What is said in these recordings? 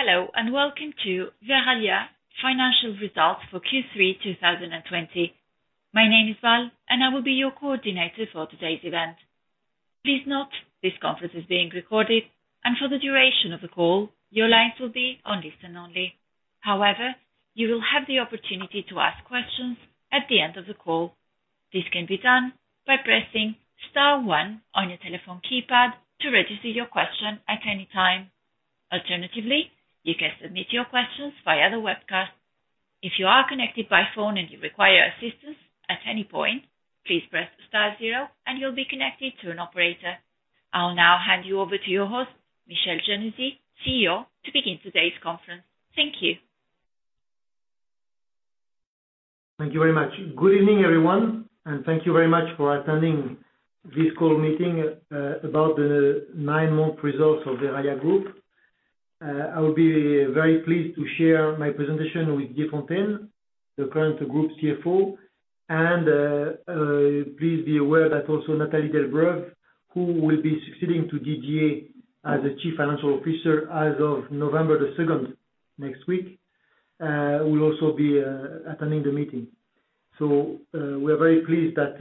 Hello, welcome to Verallia Financial Results for Q3 2020. My name is Val, I will be your coordinator for today's event. Please note, this conference is being recorded, and for the duration of the call, your lines will be on listen only. However, you will have the opportunity to ask questions at the end of the call. This can be done by pressing star one on your telephone keypad to register your question at any time. Alternatively, you can submit your questions via the webcast. If you are connected by phone and you require assistance at any point, please press star zero and you'll be connected to an operator. I'll now hand you over to your host, Michel Giannuzzi, CEO, to begin today's conference. Thank you. Thank you very much. Good evening, everyone, and thank you very much for attending this call meeting about the nine-month results of Verallia Group. I will be very pleased to share my presentation with Didier Fontaine, the current group CFO, and please be aware that also Nathalie Delbreuve, who will be succeeding Didier as the Chief Financial Officer as of November the 2nd, next week, will also be attending the meeting. We are very pleased that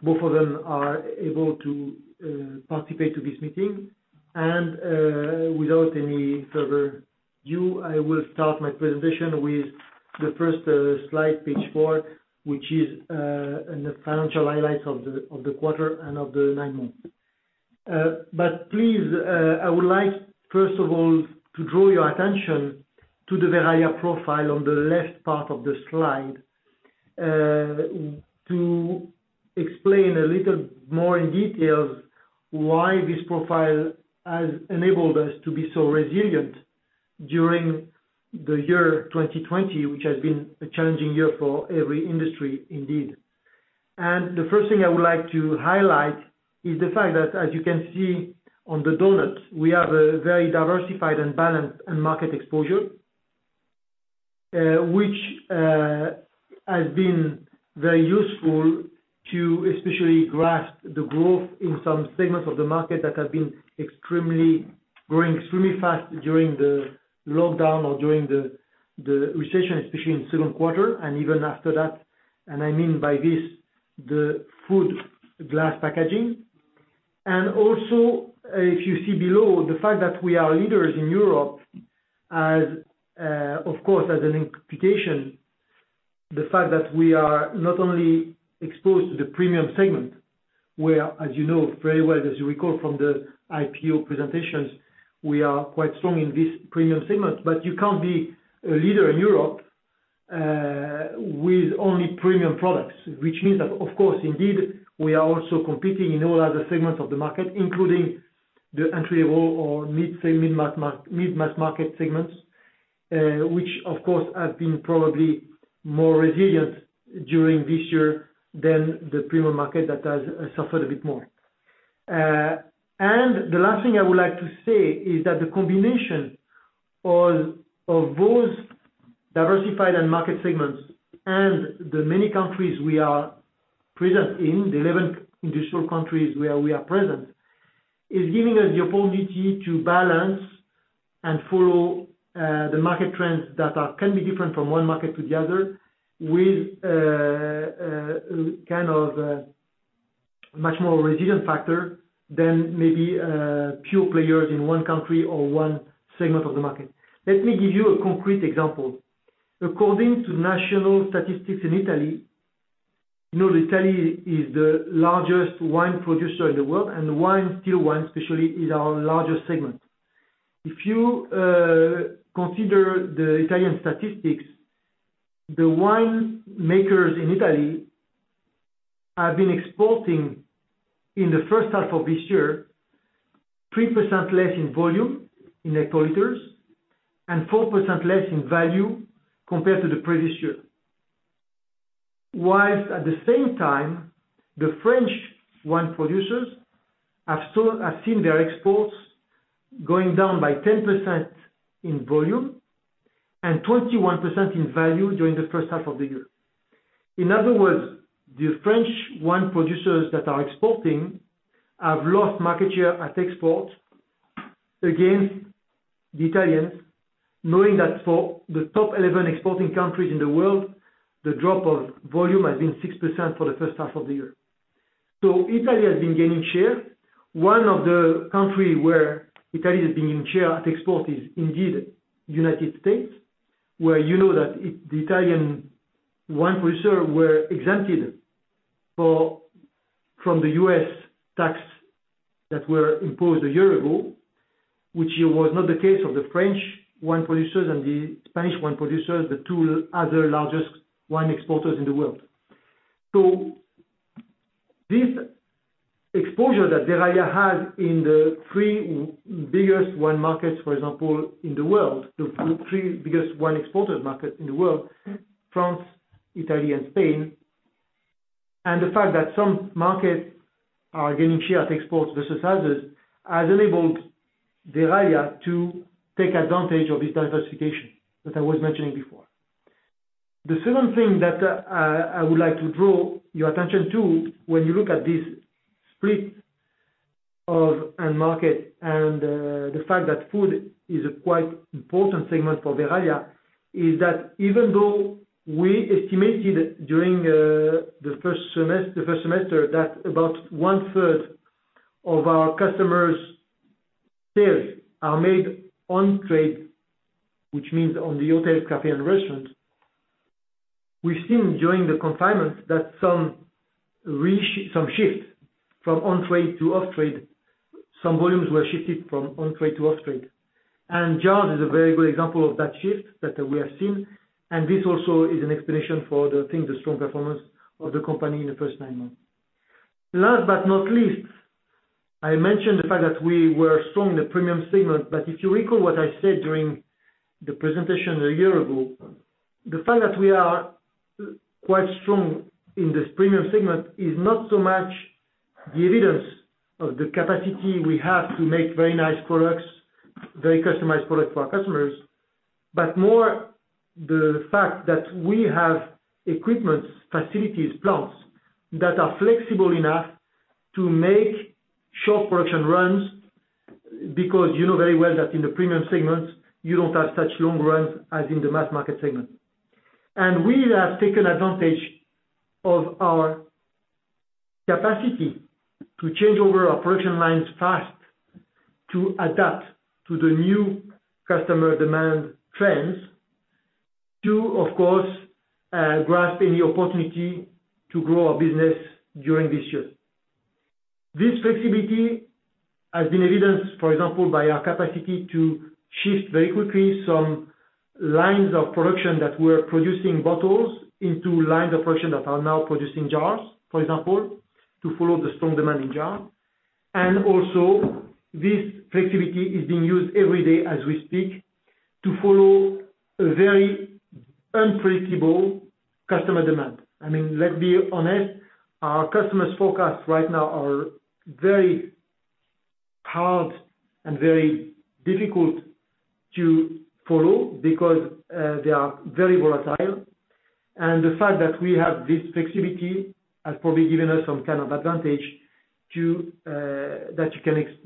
both of them are able to participate to this meeting. Without any further ado, I will start my presentation with the first slide, page four, which is the financial highlights of the quarter and of the nine months. Please, I would like, first of all, to draw your attention to the Verallia profile on the left part of the slide, to explain a little more in details why this profile has enabled us to be so resilient during the year 2020, which has been a challenging year for every industry, indeed. The first thing I would like to highlight is the fact that, as you can see on the donut, we have a very diversified and balanced end market exposure, which has been very useful to especially grasp the growth in some segments of the market that have been growing extremely fast during the lockdown or during the recession, especially in second quarter and even after that. I mean by this, the food glass packaging. Also, if you see below, the fact that we are leaders in Europe, of course, has an implication. The fact that we are not only exposed to the premium segment, where as you know very well, as you recall from the IPO presentations, we are quite strong in this premium segment. You can't be a leader in Europe with only premium products, which means that, of course, indeed, we are also competing in all other segments of the market, including the entry-level or mid-mass market segments, which of course, have been probably more resilient during this year than the premium market that has suffered a bit more. The last thing I would like to say is that the combination of both diversified end market segments and the many countries we are present in, the 11 industrial countries where we are present, is giving us the opportunity to balance and follow the market trends that can be different from one market to the other with a kind of much more resilient factor than maybe pure players in one country or one segment of the market. Let me give you a concrete example. According to national statistics in Italy, you know Italy is the largest wine producer in the world, and wine, still wine especially, is our largest segment. If you consider the Italian statistics, the winemakers in Italy have been exporting in the first half of this year, 3% less in volume in hectoliters, and 4% less in value compared to the previous year. Whilst at the same time, the French wine producers have seen their exports going down by 10% in volume and 21% in value during the first half of the year. In other words, the French wine producers that are exporting have lost market share at export against the Italians, knowing that for the top 11 exporting countries in the world, the drop of volume has been 6% for the first half of the year. Italy has been gaining share. One of the country where Italy has been gaining share at export is indeed United States, where you know that the Italian wine producers were exempted from the US tax that were imposed a year ago, which was not the case of the French wine producers and the Spanish wine producers, the two other largest wine exporters in the world. This exposure that Verallia has in the three biggest wine markets, for example, in the world, the three biggest wine exported markets in the world, France, Italy, and Spain, and the fact that some markets are gaining share at exports versus others, has enabled Verallia to take advantage of this diversification that I was mentioning before. The second thing that I would like to draw your attention to when you look at this split of end market and the fact that food is a quite important segment for Verallia, is that even though we estimated during the first semester that about one-third of our customers' sales are made on-trade, which means on the hotels, café, and restaurants, we've seen during the confinement that some shift from on-trade to off-trade. Some volumes were shifted from on-trade to off-trade. Jars is a very good example of that shift that we have seen, and this also is an explanation for the, I think, the strong performance of the company in the first nine months. Last but not least, I mentioned the fact that we were strong in the premium segment, but if you recall what I said during the presentation a year ago, the fact that we are quite strong in this premium segment is not so much the evidence of the capacity we have to make very nice products, very customized products for our customers, but more the fact that we have equipment, facilities, plants that are flexible enough to make short production runs, because you know very well that in the premium segments, you don't have such long runs as in the mass market segment. We have taken advantage of our capacity to change over our production lines fast, to adapt to the new customer demand trends to, of course, grasp any opportunity to grow our business during this year. This flexibility has been evidenced, for example, by our capacity to shift very quickly some lines of production that were producing bottles into lines of production that are now producing jars, for example, to follow the strong demand in jar. Also, this flexibility is being used every day as we speak to follow a very unpredictable customer demand. I mean, let's be honest, our customers' forecasts right now are very hard and very difficult to follow because they are very volatile. The fact that we have this flexibility has probably given us some kind of advantage that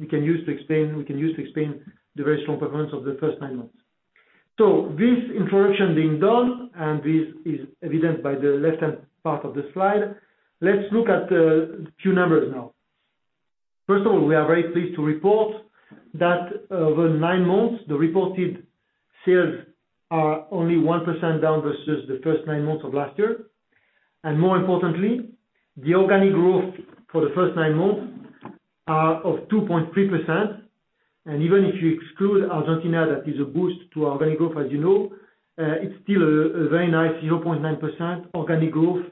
we can use to explain the very strong performance of the first nine months. This introduction being done, and this is evidenced by the left-hand part of the slide, let's look at a few numbers now. First of all, we are very pleased to report that over nine months, the reported sales are only 1% down versus the first nine months of last year. More importantly, the organic growth for the first nine months are of 2.3%. Even if you exclude Argentina, that is a boost to our organic growth, as you know, it's still a very nice 0.9% organic growth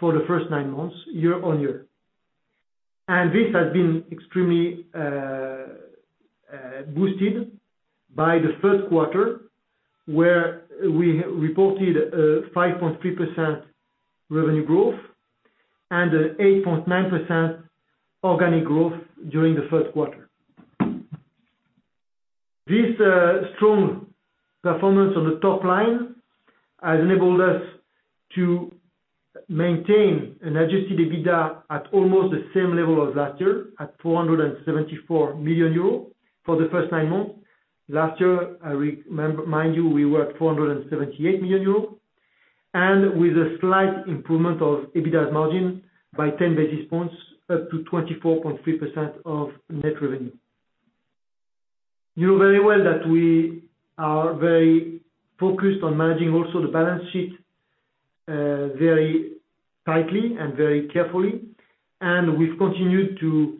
for the first nine months year-on-year. This has been extremely boosted by the first quarter, where we reported a 5.3% revenue growth and an 8.9% organic growth during the first quarter. This strong performance on the top line has enabled us to maintain an Adjusted EBITDA at almost the same level as last year, at 474 million euros for the first nine months. Last year, remind you, we were at 478 million euros, with a slight improvement of EBITDA margin by 10 basis points up to 24.3% of net revenue. You know very well that we are very focused on managing also the balance sheet very tightly and very carefully, and we've continued to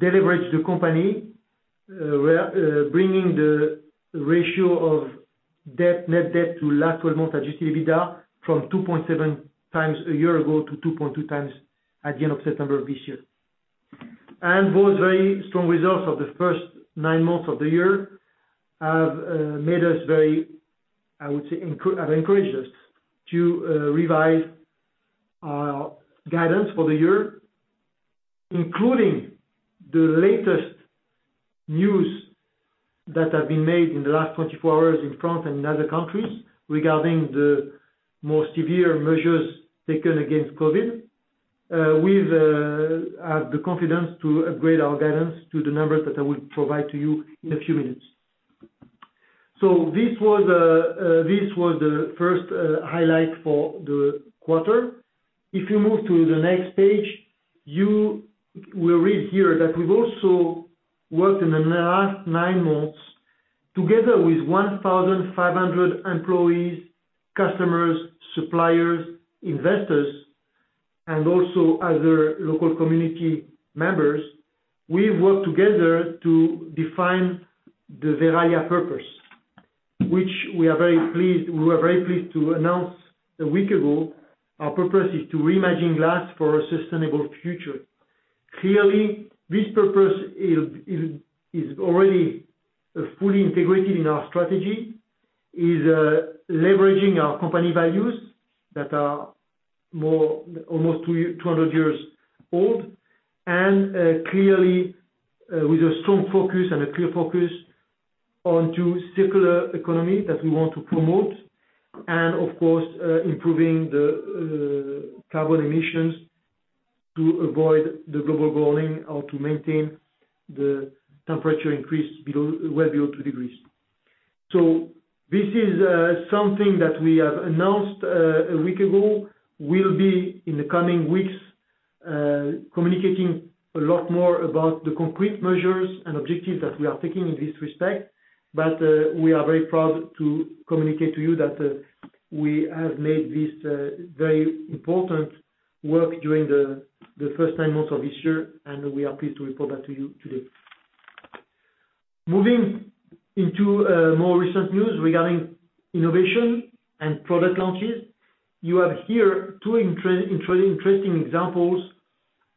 de-leverage the company, bringing the ratio of net debt to last 12 months Adjusted EBITDA from 2.7 times a year ago to 2.2 times at the end of September of this year. Those very strong results of the first nine months of the year have encouraged us to revise our guidance for the year, including the latest news that have been made in the last 24 hours in France and in other countries regarding the more severe measures taken against COVID-19. We have the confidence to upgrade our guidance to the numbers that I will provide to you in a few minutes. This was the first highlight for the quarter. If you move to the next page, you will read here that we've also worked in the last nine months together with 1,500 employees, customers, suppliers, investors, and also other local community members. We've worked together to define the Verallia purpose, which we were very pleased to announce a week ago. Our purpose is to reimagine glass for a sustainable future. Clearly, this purpose is already fully integrated in our strategy, is leveraging our company values that are almost 200 years old, and clearly with a strong focus and a clear focus on circular economy that we want to promote, and of course, improving the carbon emissions to avoid the global warming or to maintain the temperature increase well below two degrees. This is something that we have announced a week ago. We'll be, in the coming weeks, communicating a lot more about the concrete measures and objectives that we are taking in this respect. We are very proud to communicate to you that we have made this very important work during the first nine months of this year, and we are pleased to report that to you today. Moving into more recent news regarding innovation and product launches. You have here two interesting examples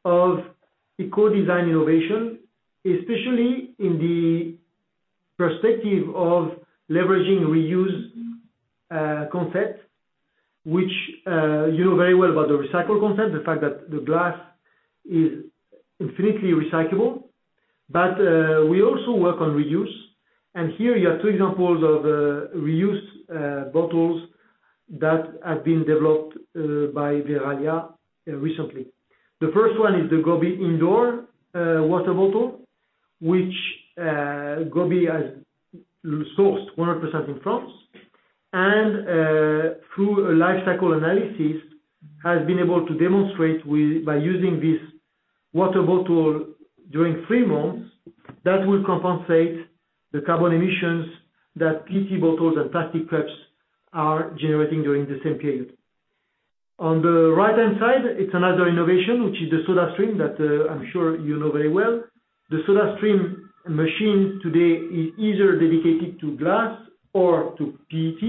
of eco-design innovation, especially in the perspective of leveraging reuse concept, which you know very well about the recycle concept, the fact that the glass is infinitely recyclable, but we also work on reuse. Here you have two examples of reuse bottles that have been developed by Verallia recently. The first one is the Gobi Indoor water bottle, which Gobi has sourced 100% in France, and through a life cycle analysis, has been able to demonstrate by using this water bottle during three months, that will compensate the carbon emissions that PET bottles and plastic cups are generating during the same period. On the right-hand side, it's another innovation, which is the SodaStream that I'm sure you know very well. The SodaStream machine today is either dedicated to glass or to PET.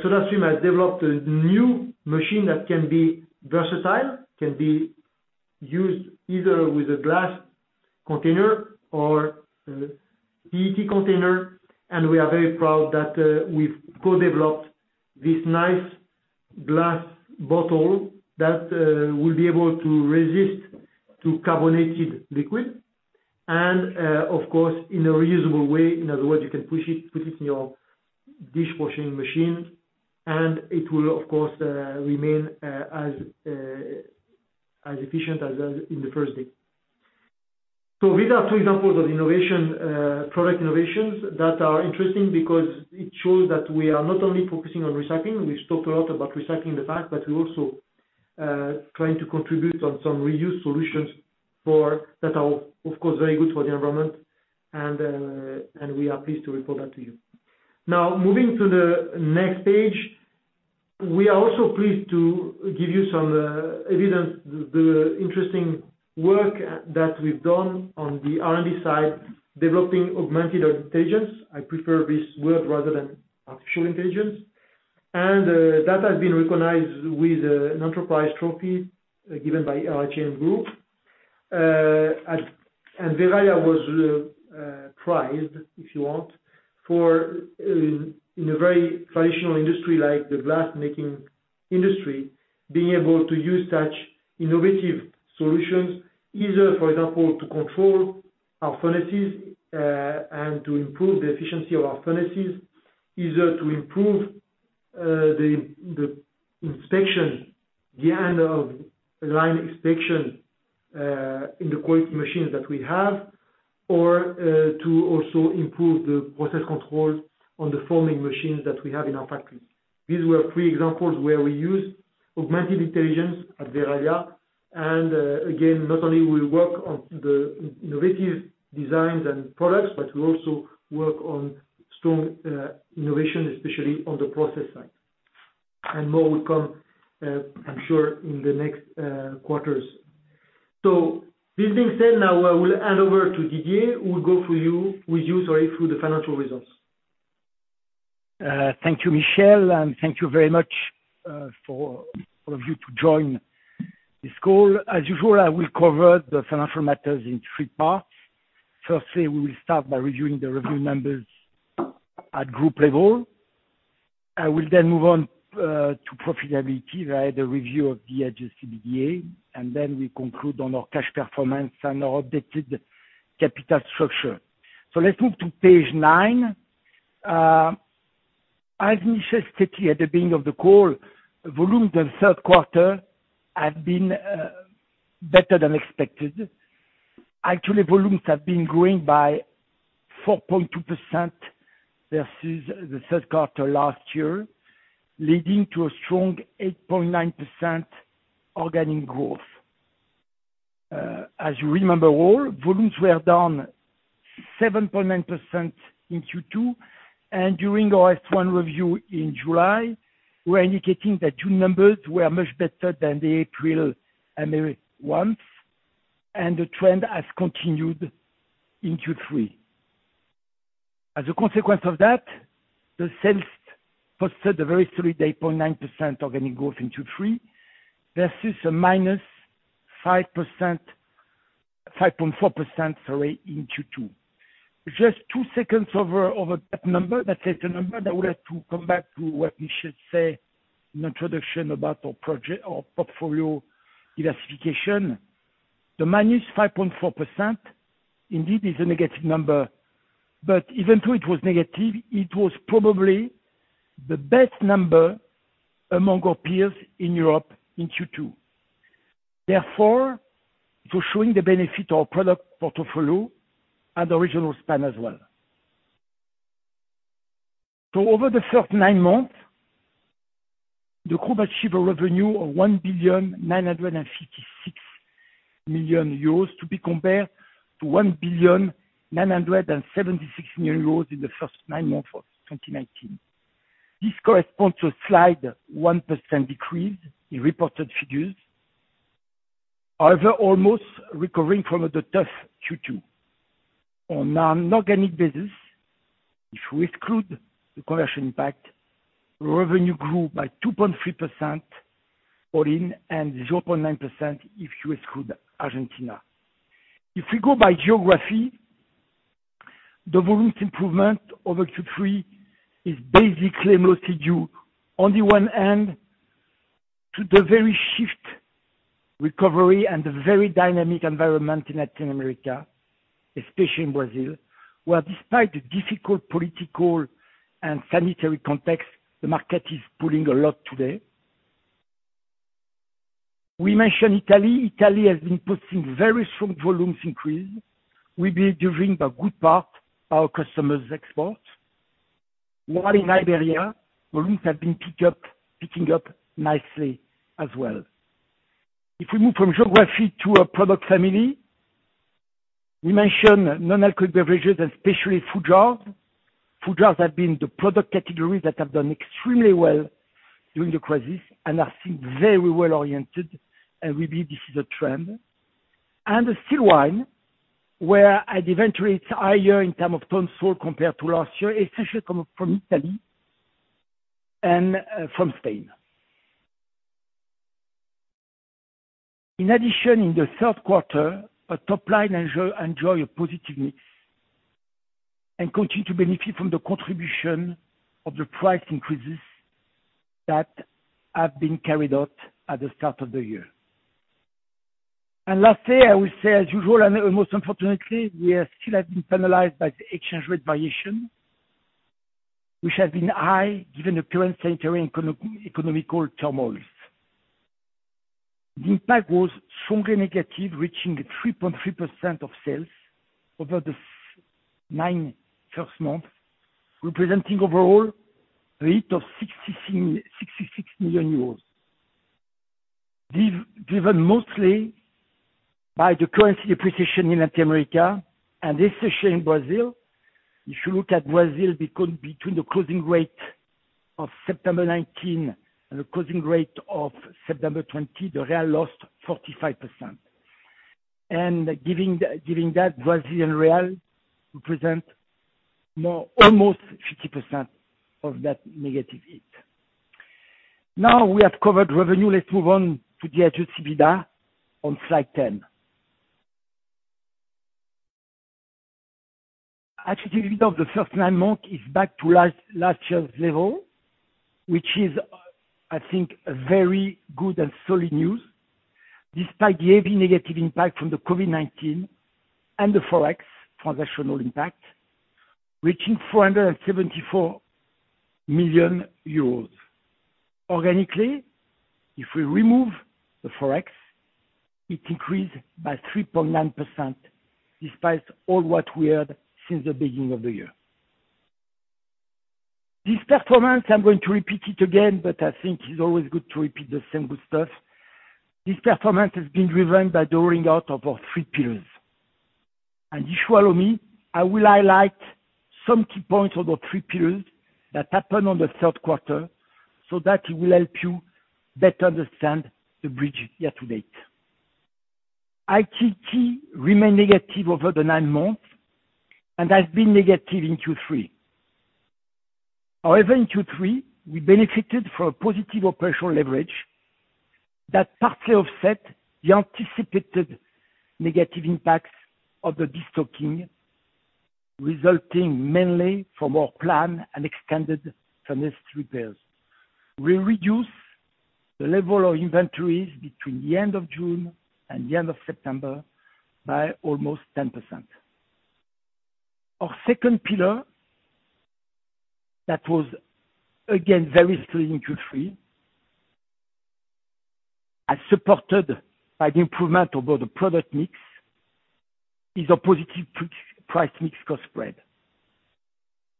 SodaStream has developed a new machine that can be versatile, can be used either with a glass container or a PET container. We are very proud that we've co-developed this nice glass bottle that will be able to resist to carbonated liquid. Of course, in a reusable way. In other words, you can put it in your dishwashing machine, and it will, of course, remain as efficient as in the first day. These are two examples of product innovations that are interesting because it shows that we are not only focusing on recycling. We've talked a lot about recycling the fact, but we're also trying to contribute on some reuse solutions that are, of course, very good for the environment. We are pleased to report that to you. Moving to the next page. We are also pleased to give you some evidence, the interesting work that we've done on the R&D side, developing augmented intelligence. I prefer this word rather than artificial intelligence. That has been recognized with an Enterprise Trophy given by RH&M Group. Verallia was prized, if you want, for in a very traditional industry like the glass-making industry, being able to use such innovative solutions, either, for example, to control our furnaces and to improve the efficiency of our furnaces, either to improve the end of line inspection in the quality machines that we have or to also improve the process control on the forming machines that we have in our factories. These were three examples where we use augmented intelligence at Verallia. Again, not only we work on the innovative designs and products, but we also work on strong innovation, especially on the process side. More will come, I'm sure, in the next quarters. This being said, now I will hand over to Didier, who will go with you through the financial results. Thank you, Michel. Thank you very much for all of you to join this call. As usual, I will cover the financial matters in three parts. Firstly, we will start by reviewing the review numbers at group level. I will then move on to profitability via the review of the Adjusted EBITDA, and then we conclude on our cash performance and our updated capital structure. Let's move to page nine. As Michel stated at the beginning of the call, volume the third quarter had been better than expected. Actually, volumes have been growing by 4.2% versus the third quarter last year, leading to a strong 8.9% organic growth. As you remember all, volumes were down 7.9% in Q2, and during our H1 review in July, we were indicating that June numbers were much better than the April and May months, and the trend has continued in Q3. As a consequence of that, the sales posted a very solid 8.9% organic growth in Q3 versus a minus 5.4% in Q2. Just two seconds over that number, that sales number, we have to come back to what Michel said. An introduction about our project, our portfolio diversification. The minus 5.4% indeed is a negative number, but even though it was negative, it was probably the best number among our peers in Europe in Q2. For showing the benefit of product portfolio and regional span as well. Over the first nine months, the group achieved a revenue of 1,956,000,000 euros, to be compared to 1,976,000,000 euros in the first nine months of 2019. This corresponds to a slight 1% decrease in reported figures. Almost recovering from the tough Q2. On a non-organic basis, if we exclude the conversion impact, revenue grew by 2.3% all-in, and 0.9% if you exclude Argentina. If we go by geography, the volumes improvement over Q3 is basically mostly due, on the one hand, to the very shift recovery and the very dynamic environment in Latin America, especially in Brazil, where despite the difficult political and sanitary context, the market is pulling a lot today. We mentioned Italy. Italy has been posting very strong volumes increase. We believe, during the good part, our customers export. While in Iberia, volumes have been picking up nicely as well. If we move from geography to a product family, we mentioned non-alcoholic beverages and especially food jars. Food jars have been the product category that have done extremely well during the crisis and are, I think, very well oriented, and we believe this is a trend. Still wine, where at the inventory, it's higher in terms of tons sold compared to last year, especially coming from Italy and from Spain. In addition, in the third quarter, our top line enjoy a positive mix and continue to benefit from the contribution of the price increases that have been carried out at the start of the year. Lastly, I will say, as usual, and most unfortunately, we still have been penalized by the exchange rate variation, which has been high given the current sanitary and economic turmoil. The impact was strongly negative, reaching 3.3% of sales over the nine first months, representing overall a rate of EUR 66 million. Driven mostly by the currency depreciation in Latin America and especially in Brazil. If you look at Brazil between the closing rate of September 2019 and the closing rate of September 2020, the BRL lost 45%. Given that Brazilian real represent almost 50% of that negative hit. Now we have covered revenue. Let's move on to the Adjusted EBITDA on slide 10. Adjusted EBITDA of the first nine months is back to last year's level, which is, I think, a very good and solid news. Despite the heavy negative impact from the COVID-19 and the Forex transactional impact, reaching 474 million euros. Organically, if we remove the Forex, it increased by 3.9%, despite all what we heard since the beginning of the year. This performance, I am going to repeat it again, but I think it is always good to repeat the same good stuff. This performance has been driven by the rolling out of our three pillars. If you follow me, I will highlight some key points of our three pillars that happened on the third quarter so that it will help you better understand the bridge yet to date. IKT remain negative over the nine months and has been negative in Q3. However, in Q3, we benefited from a positive operational leverage that partly offset the anticipated negative impacts of the destocking, resulting mainly from our plan and extended furnace repairs. We reduced the level of inventories between the end of June and the end of September by almost 10%. Our second pillar, that was again very strong in Q3, and supported by the improvement over the product mix, is a positive price mix cost spread.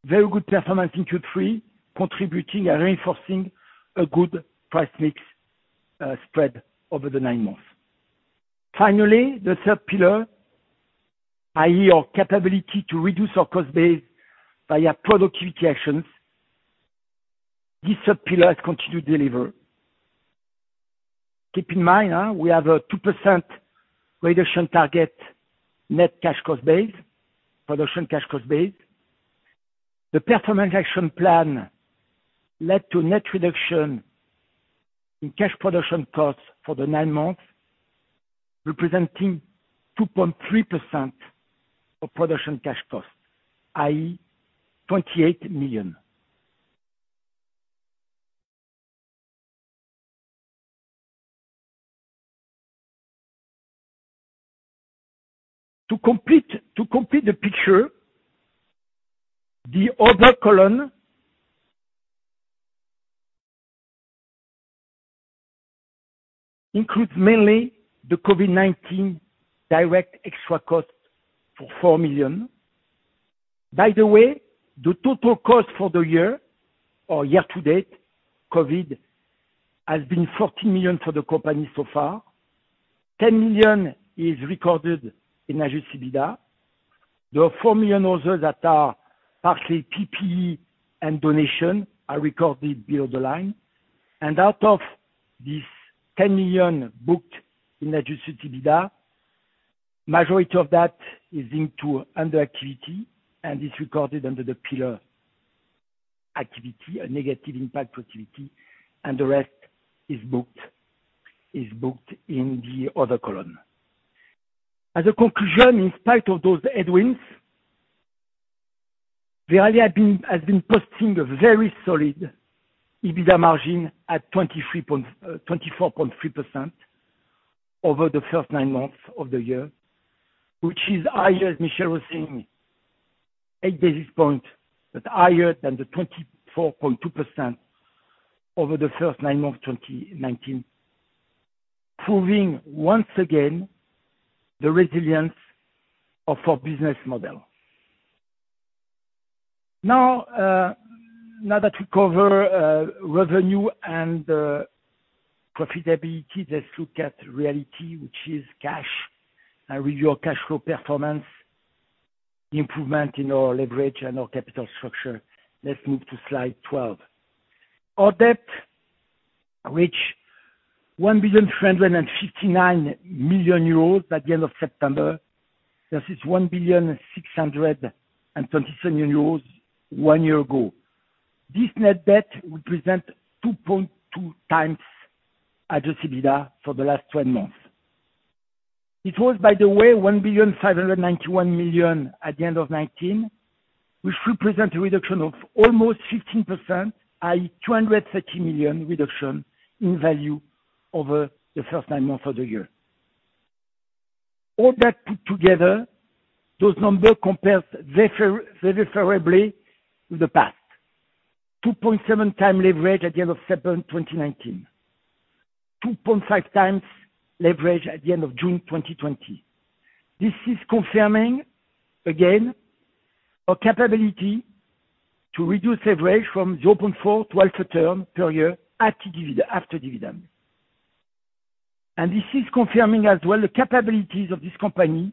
Very good performance in Q3, contributing and reinforcing a good price mix spread over the nine months. Finally, the third pillar, i.e., our capability to reduce our cost base via productivity actions. This third pillar has continued to deliver. Keep in mind, we have a 2% reduction target net cash cost base, production cash cost base. The Performance Action Plan led to net reduction in cash production costs for the nine months. Representing 2.3% of production cash costs, i.e., 28 million. To complete the picture, the other column includes mainly the COVID-19 direct extra cost for 4 million. By the way, the total cost for the year or year to date, COVID-19, has been 14 million for the company so far. 10 million is recorded in Adjusted EBITDA. There are 4 million others that are partly PPE and donation, are recorded below the line. Out of this 10 million booked in Adjusted EBITDA, majority of that is into under activity and is recorded under the pillar activity, a negative impact to activity, and the rest is booked in the other column. As a conclusion, in spite of those headwinds, Verallia has been posting a very solid EBITDA margin at 24.3% over the first nine months of the year, which is higher, as Michel was saying, eight basis points, but higher than the 24.2% over the first nine months of 2019. Proving once again the resilience of our business model. Now that we cover revenue and profitability, let's look at reality, which is cash and review our cash flow performance, improvement in our leverage and our capital structure. Let's move to slide 12. Our debt reach 1,359 million euros by the end of September, versus 1,627,000,000 one year ago. This net debt represent 2.2 times Adjusted EBITDA for the last 12 months. It was, by the way, 1,591,000,000 at the end of 2019, which represent a reduction of almost 15%, i.e., 230 million reduction in value over the first nine months of the year. All that put together, those numbers compare very favorably with the past. 2.7 times leverage at the end of September 2019. 2.5 times leverage at the end of June 2020. This is confirming, again, our capability to reduce leverage from 0.4 to half a term per year after dividend. This is confirming as well the capabilities of this company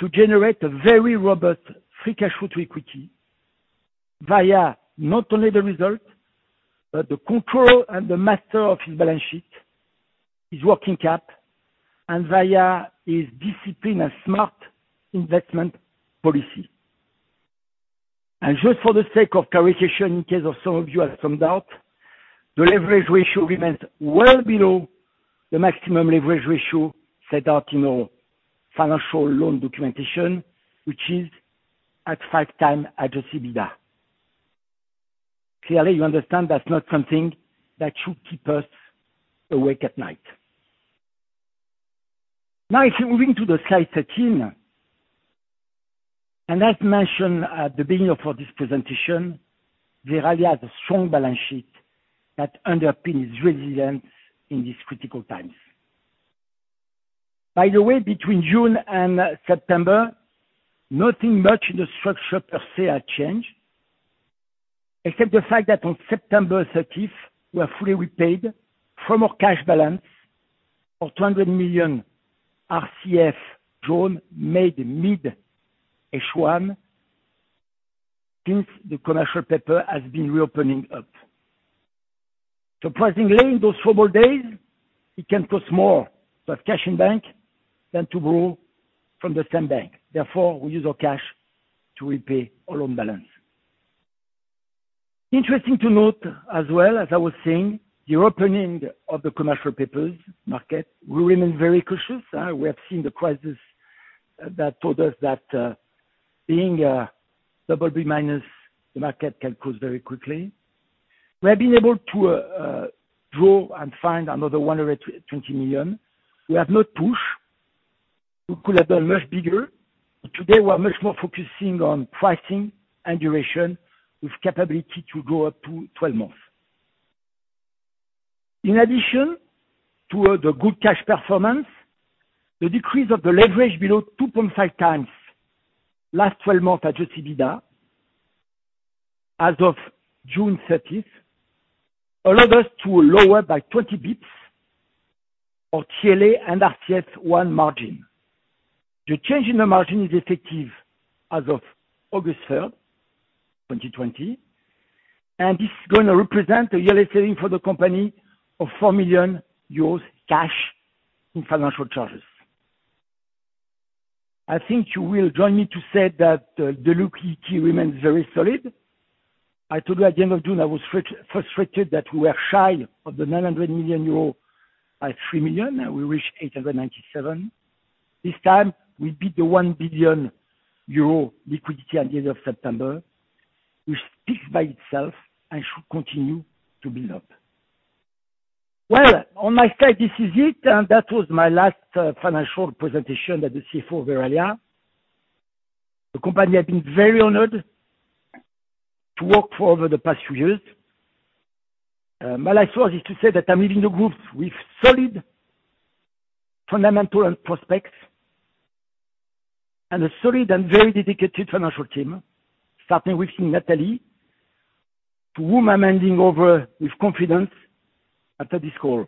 to generate a very robust free cash flow to equity via not only the result, but the control and the master of his balance sheet, his working cap, and via his discipline and smart investment policy. Just for the sake of clarification, in case some of you have some doubt, the leverage ratio remains well below the maximum leverage ratio set out in our financial loan documentation, which is at 5 times Adjusted EBITDA. Clearly, you understand that's not something that should keep us awake at night. If you're moving to slide 13, and as mentioned at the beginning of this presentation, Verallia has a strong balance sheet that underpins resilience in these critical times. By the way, between June and September, nothing much in the structure per se had changed. Except the fact that on September 30th, we have fully repaid from our cash balance of 200 million RCF drawn made mid H1, since the commercial paper has been reopening up. Surprisingly, in those formal days, it can cost more to have cash in bank than to grow from the same bank. We use our cash to repay our loan balance. Interesting to note as well, as I was saying, the opening of the commercial papers market, we remain very cautious. We have seen the crisis that told us that being a BB-, the market can close very quickly. We have been able to draw and find another 120 million. We have not pushed. We could have done much bigger. Today we are much more focusing on pricing and duration with capability to go up to 12 months. In addition to the good cash performance, the decrease of the leverage below 2.5 times last 12 months Adjusted EBITDA, as of June 30th, allowed us to lower by 20 basis points our TLA and RCF1 margin. The change in the margin is effective as of August 3rd, 2020. This is going to represent a yearly saving for the company of 4 million euros cash in financial charges. I think you will join me to say that the liquidity remains very solid. I told you at the end of June, I was frustrated that we were shy of 900 million euro by 3 million. We reached 897. This time we beat the 1 billion euro liquidity at the end of September, which speaks by itself and should continue to build up. Well, on my side, this is it. That was my last financial presentation as the CFO of Verallia, a company I've been very honored to work for over the past few years. My last word is to say that I'm leaving a group with solid fundamental and prospects and a solid and very dedicated financial team, starting with Nathalie, to whom I'm handing over with confidence after this call.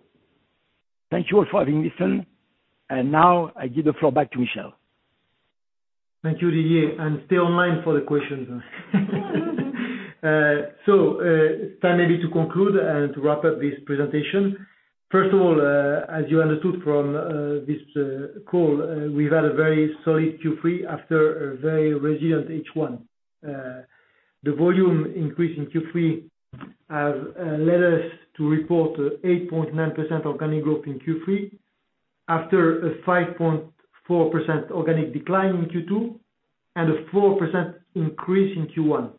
Thank you all for having listened, now I give the floor back to Michel. Thank you, Didier. Stay online for the questions. It's time maybe to conclude and to wrap up this presentation. First of all, as you understood from this call, we've had a very solid Q3 after a very resilient H1. The volume increase in Q3 have led us to report 8.9% organic growth in Q3 after a 5.4% organic decline in Q2 and a 4% increase in Q1.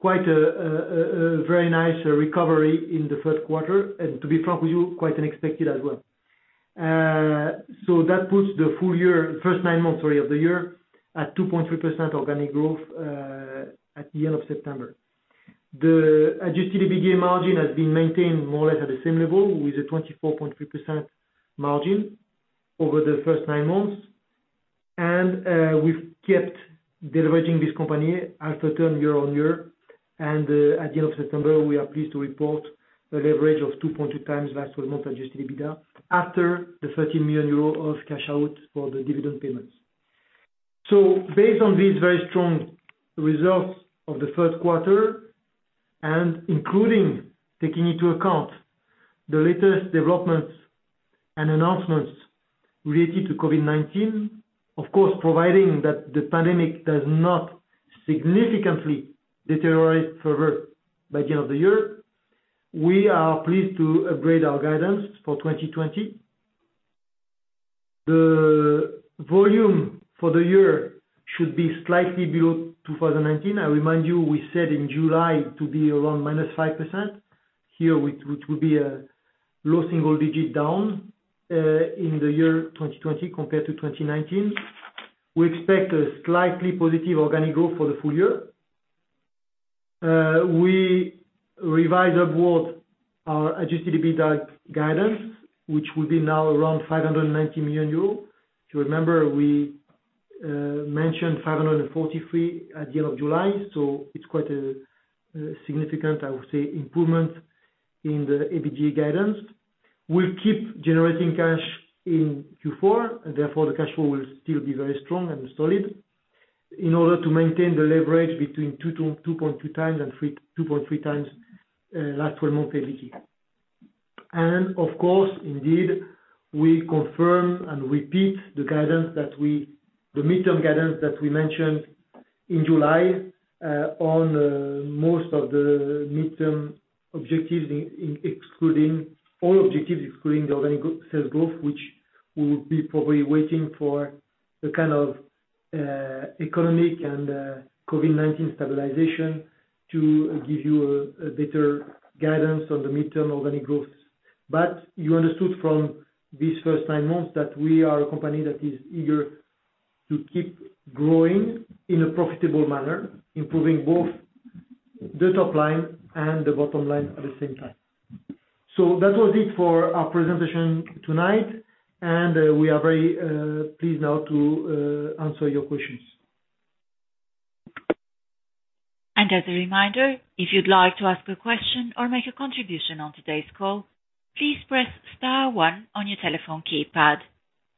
Quite a very nice recovery in the third quarter, and to be frank with you, quite unexpected as well. That puts the first nine months of the year at 2.3% organic growth at the end of September. The Adjusted EBITDA margin has been maintained more or less at the same level, with a 24.3% margin over the first nine months. We've kept leveraging this company half the term year-on-year. At the end of September, we are pleased to report a leverage of 2.2 times last 12 months Adjusted EBITDA after the 30 million euro of cash out for the dividend payments. Based on these very strong results of the first quarter, and including taking into account the latest developments and announcements related to COVID-19, of course, providing that the pandemic does not significantly deteriorate further by the end of the year, we are pleased to upgrade our guidance for 2020. The volume for the year should be slightly below 2019. I remind you, we said in July to be around minus 5%, here, which will be a low single digit down, in the year 2020 compared to 2019. We expect a slightly positive organic growth for the full year. We revised upward our Adjusted EBITDA guidance, which will be now around 590 million euros. If you remember, we mentioned 543 at the end of July, so it's quite a significant, I would say, improvement in the Adjusted EBITDA guidance. We'll keep generating cash in Q4, and therefore, the cash flow will still be very strong and solid in order to maintain the leverage between 2.2 times and 2.3 times, last 12 months Adjusted EBITDA. Of course, indeed, we confirm and repeat the mid-term guidance that we mentioned in July, on most of the mid-term objectives, all objectives excluding the organic sales growth, which we would be probably waiting for the kind of economic and COVID-19 stabilization to give you a better guidance on the mid-term organic growth. You understood from these first nine months that we are a company that is eager to keep growing in a profitable manner, improving both the top line and the bottom line at the same time. That was it for our presentation tonight, and we are very pleased now to answer your questions. As a reminder, if you'd like to ask a question or make a contribution on today's call, please press star one on your telephone keypad.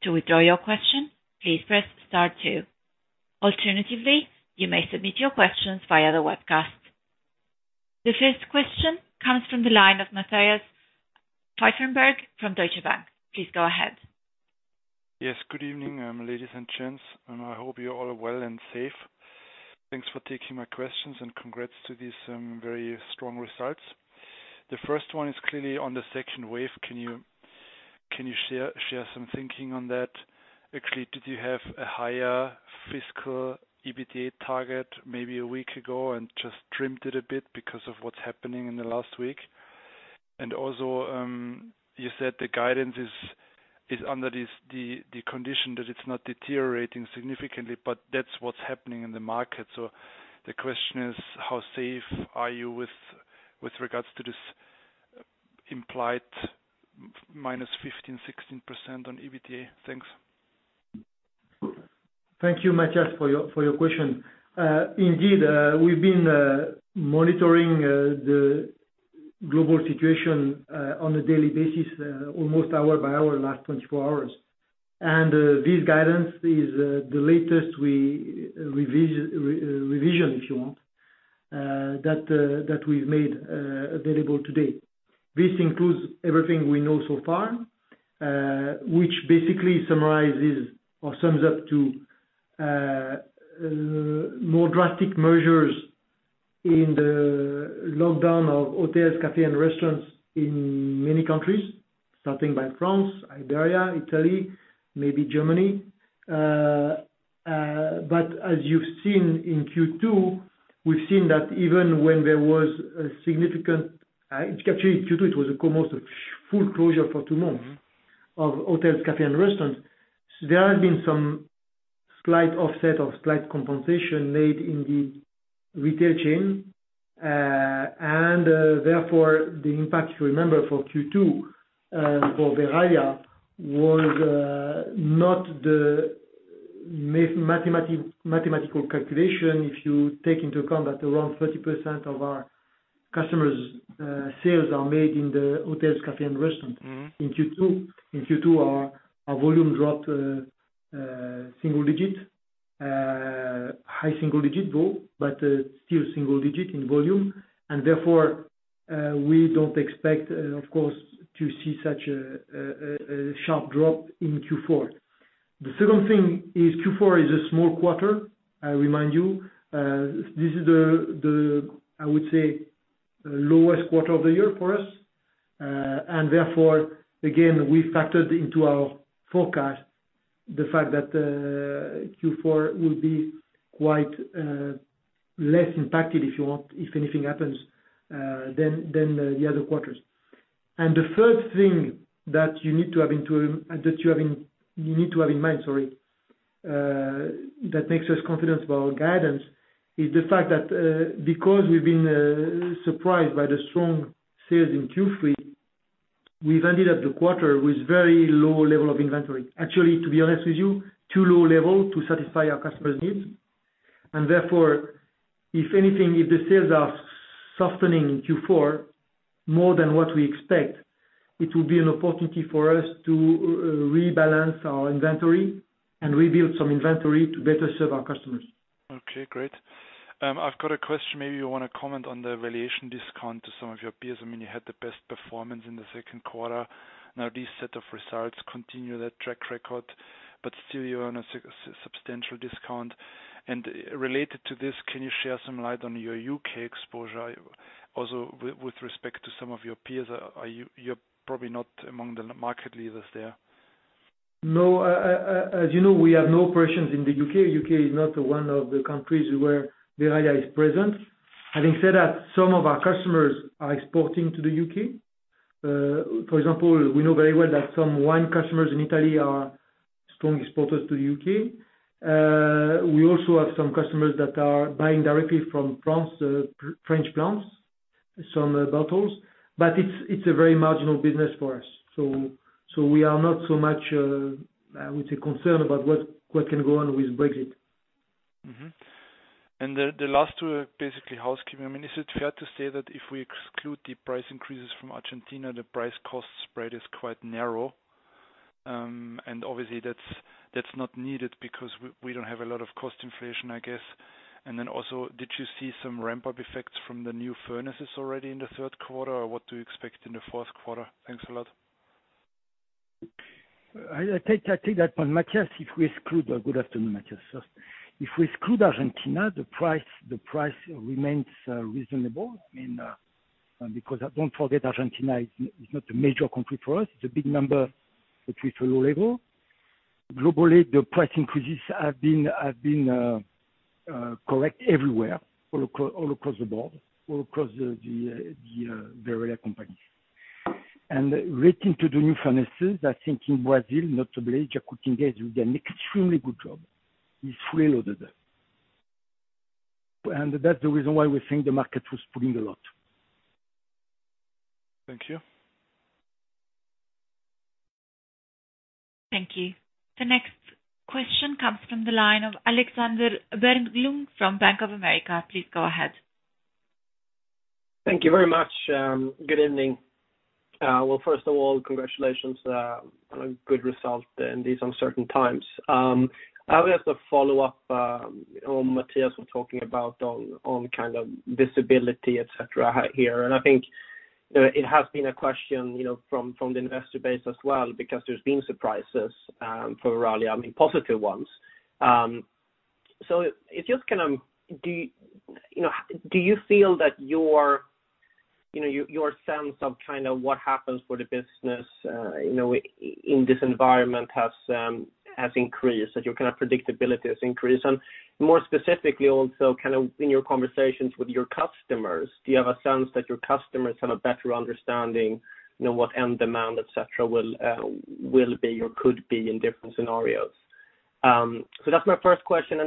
To withdraw your question, please press star two. Alternatively, you may submit your questions via the webcast. The first question comes from the line of Matthias Pfeifenberger from Deutsche Bank. Please go ahead. Yes. Good evening, ladies and gents, and I hope you're all well and safe. Thanks for taking my questions and congrats to these very strong results. The first one is clearly on the second wave. Can you share some thinking on that? Actually, did you have a higher fiscal EBITDA target maybe a week ago and just trimmed it a bit because of what's happening in the last week? Also, you said the guidance is under the condition that it's not deteriorating significantly, but that's what's happening in the market. So the question is, how safe are you with regards to this implied -15%, 16% on EBITDA? Thanks. Thank you, Matthias, for your question. Indeed, we've been monitoring the global situation on a daily basis, almost hour by hour the last 24 hours. This guidance is the latest revision, if you want that we've made available today. This includes everything we know so far, which basically summarizes or sums up to more drastic measures in the lockdown of hotels, café, and restaurants in many countries, starting by France, Iberia, Italy, maybe Germany. As you've seen in Q2, we've seen that even when there was actually, Q2, it was almost a full closure for two months of hotels, café, and restaurants. There have been some slight offset or slight compensation made in the retail chain. Therefore, the impact, if you remember, for Q2, for Verallia, was not the mathematical calculation if you take into account that around 30% of our customers' sales are made in the hotels, café, and restaurant. In Q2, our volume dropped single digit, high single digit though, but still single digit in volume. Therefore, we don't expect, of course, to see such a sharp drop in Q4. The second thing is Q4 is a small quarter, I remind you. This is the, I would say, lowest quarter of the year for us. Therefore, again, we factored into our forecast the fact that Q4 will be quite less impacted, if you want, if anything happens than the other quarters. The third thing that you need to have in mind, that makes us confident about our guidance, is the fact that because we've been surprised by the strong sales in Q3, we've ended up the quarter with very low level of inventory. Actually, to be honest with you, too low level to satisfy our customers' needs. Therefore, if anything, if the sales are softening in Q4 more than what we expect, it will be an opportunity for us to rebalance our inventory and rebuild some inventory to better serve our customers. Okay, great. I've got a question, maybe you want to comment on the valuation discount to some of your peers. I mean, you had the best performance in the second quarter. Now, these set of results continue that track record, but still you're on a substantial discount. Related to this, can you share some light on your U.K. exposure? Also, with respect to some of your peers, you're probably not among the market leaders there. No. As you know, we have no operations in the U.K. U.K. is not one of the countries where Verallia is present. Having said that, some of our customers are exporting to the U.K. For example, we know very well that some wine customers in Italy are strong exporters to the U.K. We also have some customers that are buying directly from France, French plants, some bottles, but it's a very marginal business for us. We are not so much, I would say, concerned about what can go on with Brexit. The last two are basically housekeeping. I mean, is it fair to say that if we exclude the price increases from Argentina, the price cost spread is quite narrow? Obviously that's not needed because we don't have a lot of cost inflation, I guess. Also, did you see some ramp-up effects from the new furnaces already in the third quarter, or what do you expect in the fourth quarter? Thanks a lot. I take that one, Matthias. Good afternoon, Matthias first. If we exclude Argentina, the price remains reasonable. I mean, because don't forget Argentina is not a major country for us. It's a big number, but with a low level. Globally, the price increases have been correct everywhere, all across the board, all across the Verallia company. Relating to the new furnaces, I think in Brazil, notably, Jacquin did an extremely good job. He's fully loaded. That's the reason why we think the market was pulling a lot. Thank you. Thank you. The next question comes from the line of Alexander Berglund from Bank of America. Please go ahead. Thank you very much. Good evening. Well, first of all, congratulations on a good result in these uncertain times. I would like to follow up on what Matthias was talking about on kind of visibility, etc here. I think it has been a question from the investor base as well because there's been surprises for Verallia, I mean, positive ones. It just kind of, do you feel that your sense of what happens for the business in this environment has increased? That your kind of predictability has increased? More specifically, also kind of in your conversations with your customers, do you have a sense that your customers have a better understanding, what end demand, etc, will be or could be in different scenarios? That's my first question.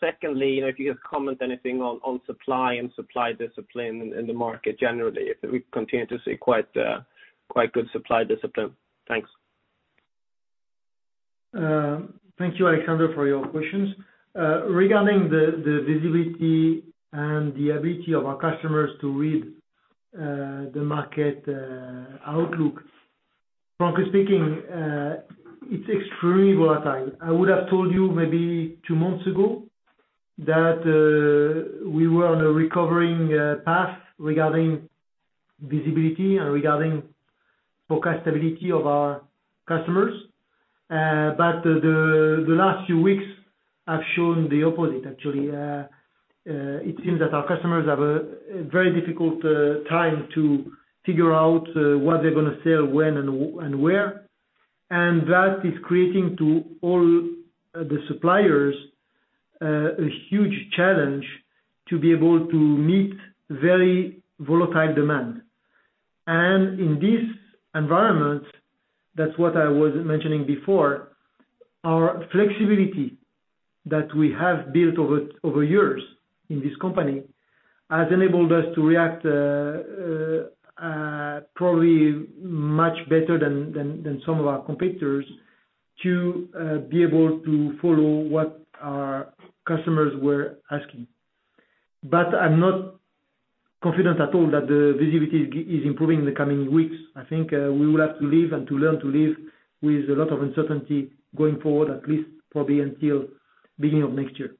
Secondly, if you could comment anything on supply and supply discipline in the market generally, if we continue to see quite good supply discipline. Thanks. Thank you, Alexander, for your questions. Regarding the visibility and the ability of our customers to read the market outlook. Frankly speaking, it's extremely volatile. I would have told you maybe two months ago that we were on a recovering path regarding visibility and regarding forecastability of our customers. The last few weeks have shown the opposite, actually. It seems that our customers have a very difficult time to figure out what they're going to sell, when and where. That is creating to all the suppliers, a huge challenge to be able to meet very volatile demand. In this environment, that's what I was mentioning before. Our flexibility that we have built over years in this company has enabled us to react, probably much better than some of our competitors to be able to follow what our customers were asking. I'm not confident at all that the visibility is improving in the coming weeks. I think we will have to live and to learn to live with a lot of uncertainty going forward, at least probably until beginning of next year.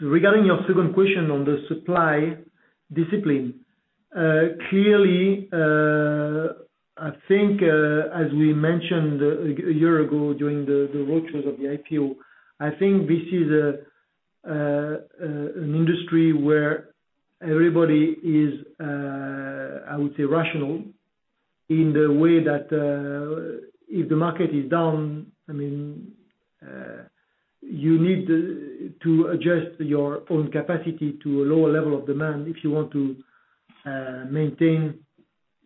Regarding your second question on the supply discipline. Clearly, I think as we mentioned a year ago during the roadshows of the IPO, I think this is an industry where everybody is, I would say rational in the way that, if the market is down, you need to adjust your own capacity to a lower level of demand if you want to maintain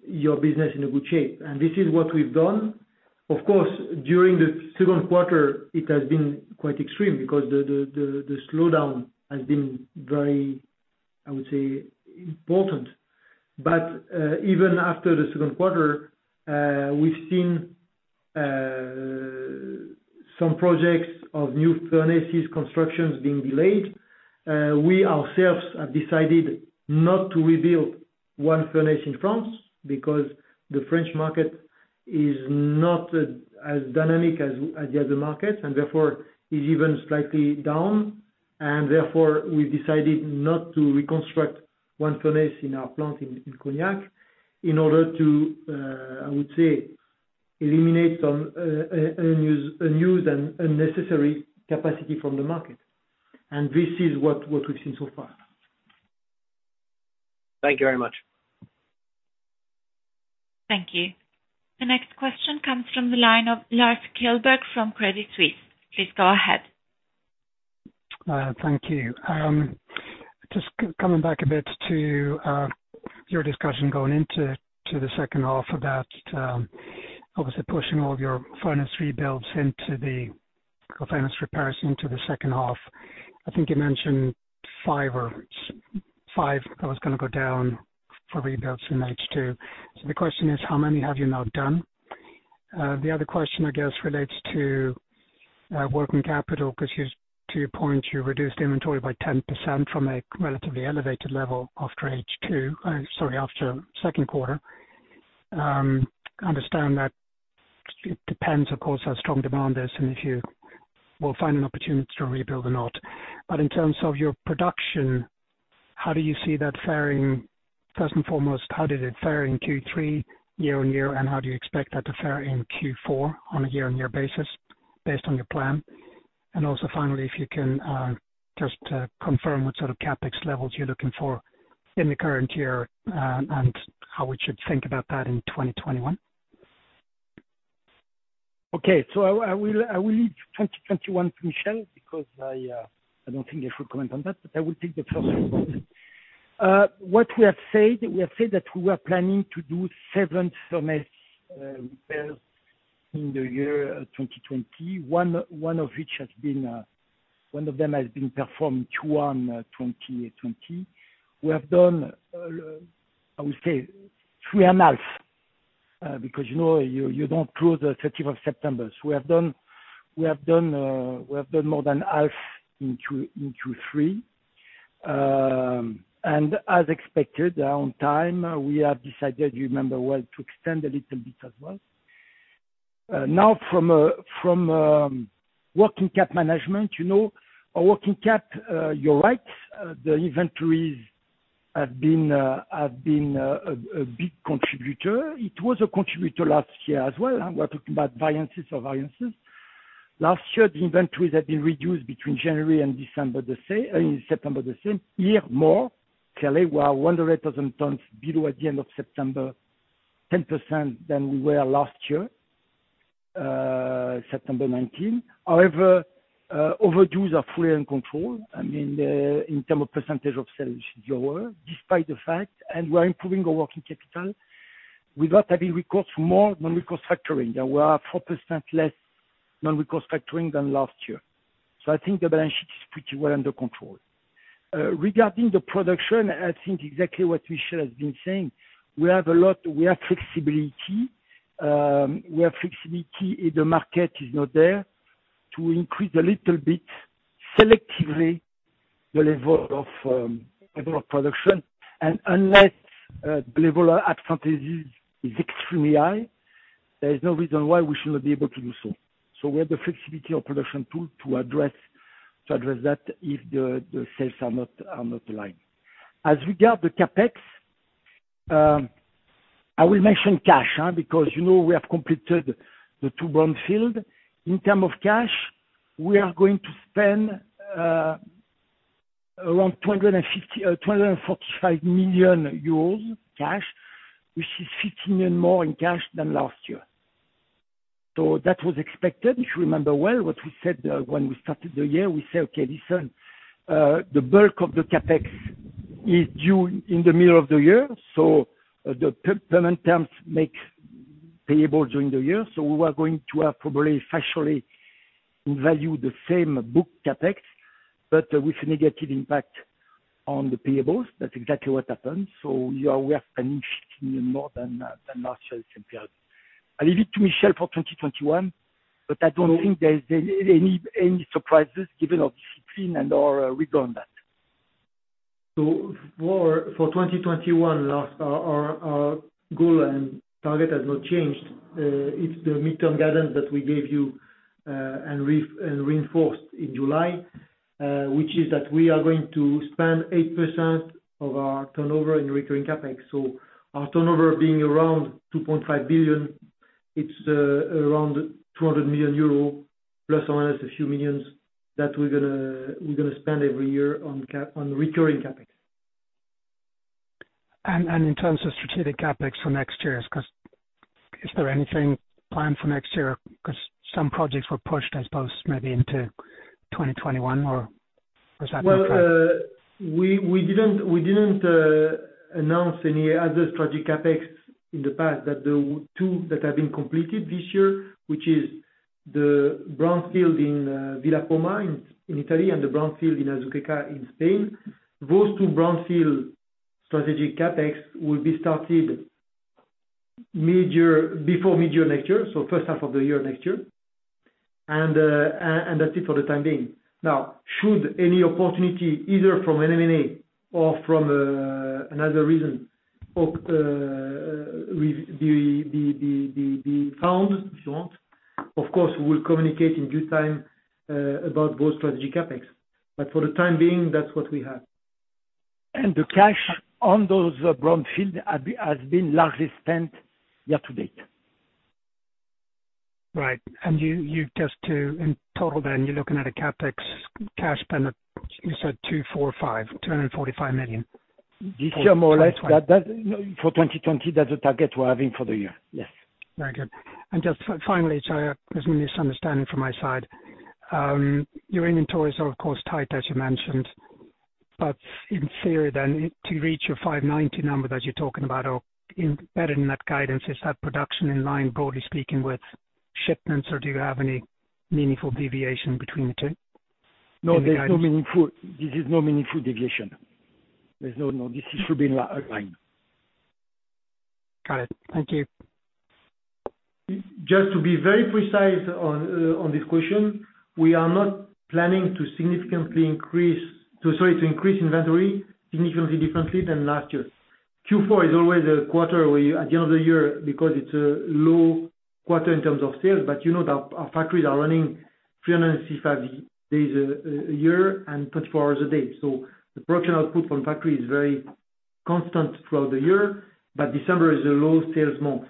your business in a good shape. This is what we've done. Of course, during the second quarter, it has been quite extreme because the slowdown has been very, I would say important. Even after the second quarter, we've seen some projects of new furnaces constructions being delayed. We ourselves have decided not to rebuild one furnace in France because the French market is not as dynamic as the other markets, and therefore is even slightly down. Therefore, we've decided not to reconstruct one furnace in our plant in Cognac in order to, I would say, eliminate some unused and unnecessary capacity from the market. This is what we've seen so far. Thank you very much. Thank you. The next question comes from the line of Lars Kjellberg from Credit Suisse. Please go ahead. Thank you. Just coming back a bit to your discussion going into the second half about, obviously pushing all your furnace repairs into the second half. I think you mentioned five that was going to go down for rebuilds in H2. The question is, how many have you now done? The other question, I guess relates to working capital, because to your point, you reduced inventory by 10% from a relatively elevated level after H2, sorry, after second quarter. I understand that it depends, of course, how strong demand is and if you will find an opportunity to rebuild or not. In terms of your production, how do you see that faring first and foremost, how did it fare in Q3 year-on-year, and how do you expect that to fare in Q4 on a year-on-year basis based on your plan? Also finally, if you can just confirm what sort of CapEx levels you're looking for in the current year and how we should think about that in 2021? Okay. I will leave 2021 to Michel because I don't think I should comment on that, but I will take the first one. What we have said, we have said that we are planning to do seven furnaces repairs in the year 2020. One of them has been performed Q1 2020. We have done, I would say three and a half, because you know you don't close the 30th of September. We have done more than half in Q3. As expected, on time, we have decided, you remember well, to extend a little bit as well. Now from working cap management, our working cap, you're right, the inventories have been a big contributor. It was a contributor last year as well. We're talking about variances. Last year, the inventories had been reduced between January and September the same year, more clearly were 100,000 tons below at the end of September, 10% than we were last year, September 2019. Overdues are fully in control. In terms of percentage of sales is lower despite the fact, and we're improving our working capital. We got heavy recourse from more non-recourse factoring. There were 4% less non-recourse factoring than last year. I think the balance sheet is pretty well under control. Regarding the production, I think exactly what Michel has been saying. We have flexibility. We have flexibility if the market is not there to increase a little bit selectively the level of production. Unless the level of absences is extremely high, there is no reason why we should not be able to do so. We have the flexibility of production too, to address that if the sales are not aligned. As regard the CapEx, I will mention cash, because we have completed the two brownfield. In term of cash, we are going to spend around 245 million euros cash, which is 15 million more in cash than last year. That was expected. If you remember well, what we said when we started the year, we said, "Okay, listen, the bulk of the CapEx is due in the middle of the year." The payment terms makes payable during the year. We are going to have probably factually in value the same book CapEx, but with a negative impact on the payables. That's exactly what happened. We are spending EUR 15 million more than last year same period. I leave it to Michel for 2021, but I don't think there is any surprises given our discipline and our rigor on that. For 2021 last, our goal and target has not changed. It's the midterm guidance that we gave you, and reinforced in July, which is that we are going to spend 8% of our turnover in recurring CapEx. Our turnover being around 2.5 billion, it's around 200 million euro, plus or minus a few millions, that we're going to spend every year on recurring CapEx. In terms of strategic CapEx for next year, is there anything planned for next year? Because some projects were pushed, I suppose maybe into 2021 or, has that been planned? Well, we didn't announce any other strategic CapEx in the past that the two that have been completed this year, which is the brownfield in Villa Poma in Italy and the brownfield in Azuqueca in Spain. Those two brownfield strategic CapEx will be started before mid-year next year, so first half of the year next year. That's it for the time being. Should any opportunity, either from an M&A or from another reason be found, if you want, of course we'll communicate in due time about those strategic CapEx. For the time being, that's what we have. The cash on those brownfield has been largely spent year to date. Right. Just to, in total, you're looking at a CapEx cash spend of, you said 245 million? This year, more or less. For 2020, that's the target we're having for the year. Yes. Very good. Just finally, there's a misunderstanding from my side. Your inventories are, of course, tight, as you mentioned, in theory then, to reach your 590 number that you're talking about, or embedded in that guidance, is that production in line, broadly speaking, with shipments, or do you have any meaningful deviation between the two? No. This is no meaningful deviation. This should be aligned. Got it. Thank you. Just to be very precise on this question, we are not planning to increase inventory significantly differently than last year. Q4 is always a quarter where you, at the end of the year, because it's a low quarter in terms of sales, but you know that our factories are running 365 days a year and 24 hours a day. The production output from factory is very constant throughout the year, but December is a low sales month.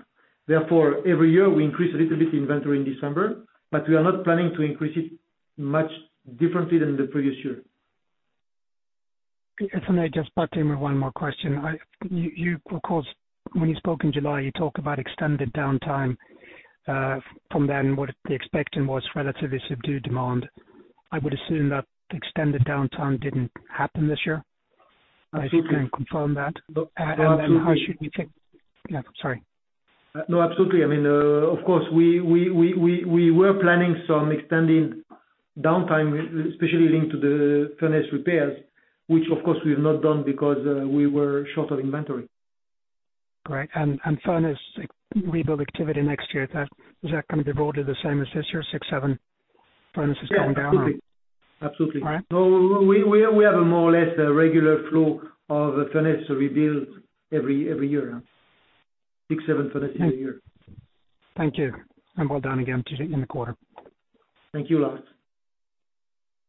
Every year we increase a little bit inventory in December, but we are not planning to increase it much differently than the previous year. If I may just butt in with one more question. You, of course, when you spoke in July, you talk about extended downtime, from then what the expecting was relatively subdued demand. I would assume that extended downtime didn't happen this year. Absolutely. If you can confirm that. Absolutely. How should we take? Yeah, sorry. No, absolutely. Of course, we were planning some extended downtime, especially linked to the furnace repairs, which of course we have not done because we were short on inventory. Great. Furnace rebuild activity next year, is that going to be broadly the same as this year, six, seven furnaces going down? Yeah. Absolutely. All right. We have a more or less regular flow of furnace rebuild every year. Six, seven furnaces a year. Thank you. I'm all done again, just in the quarter. Thank you, Lars.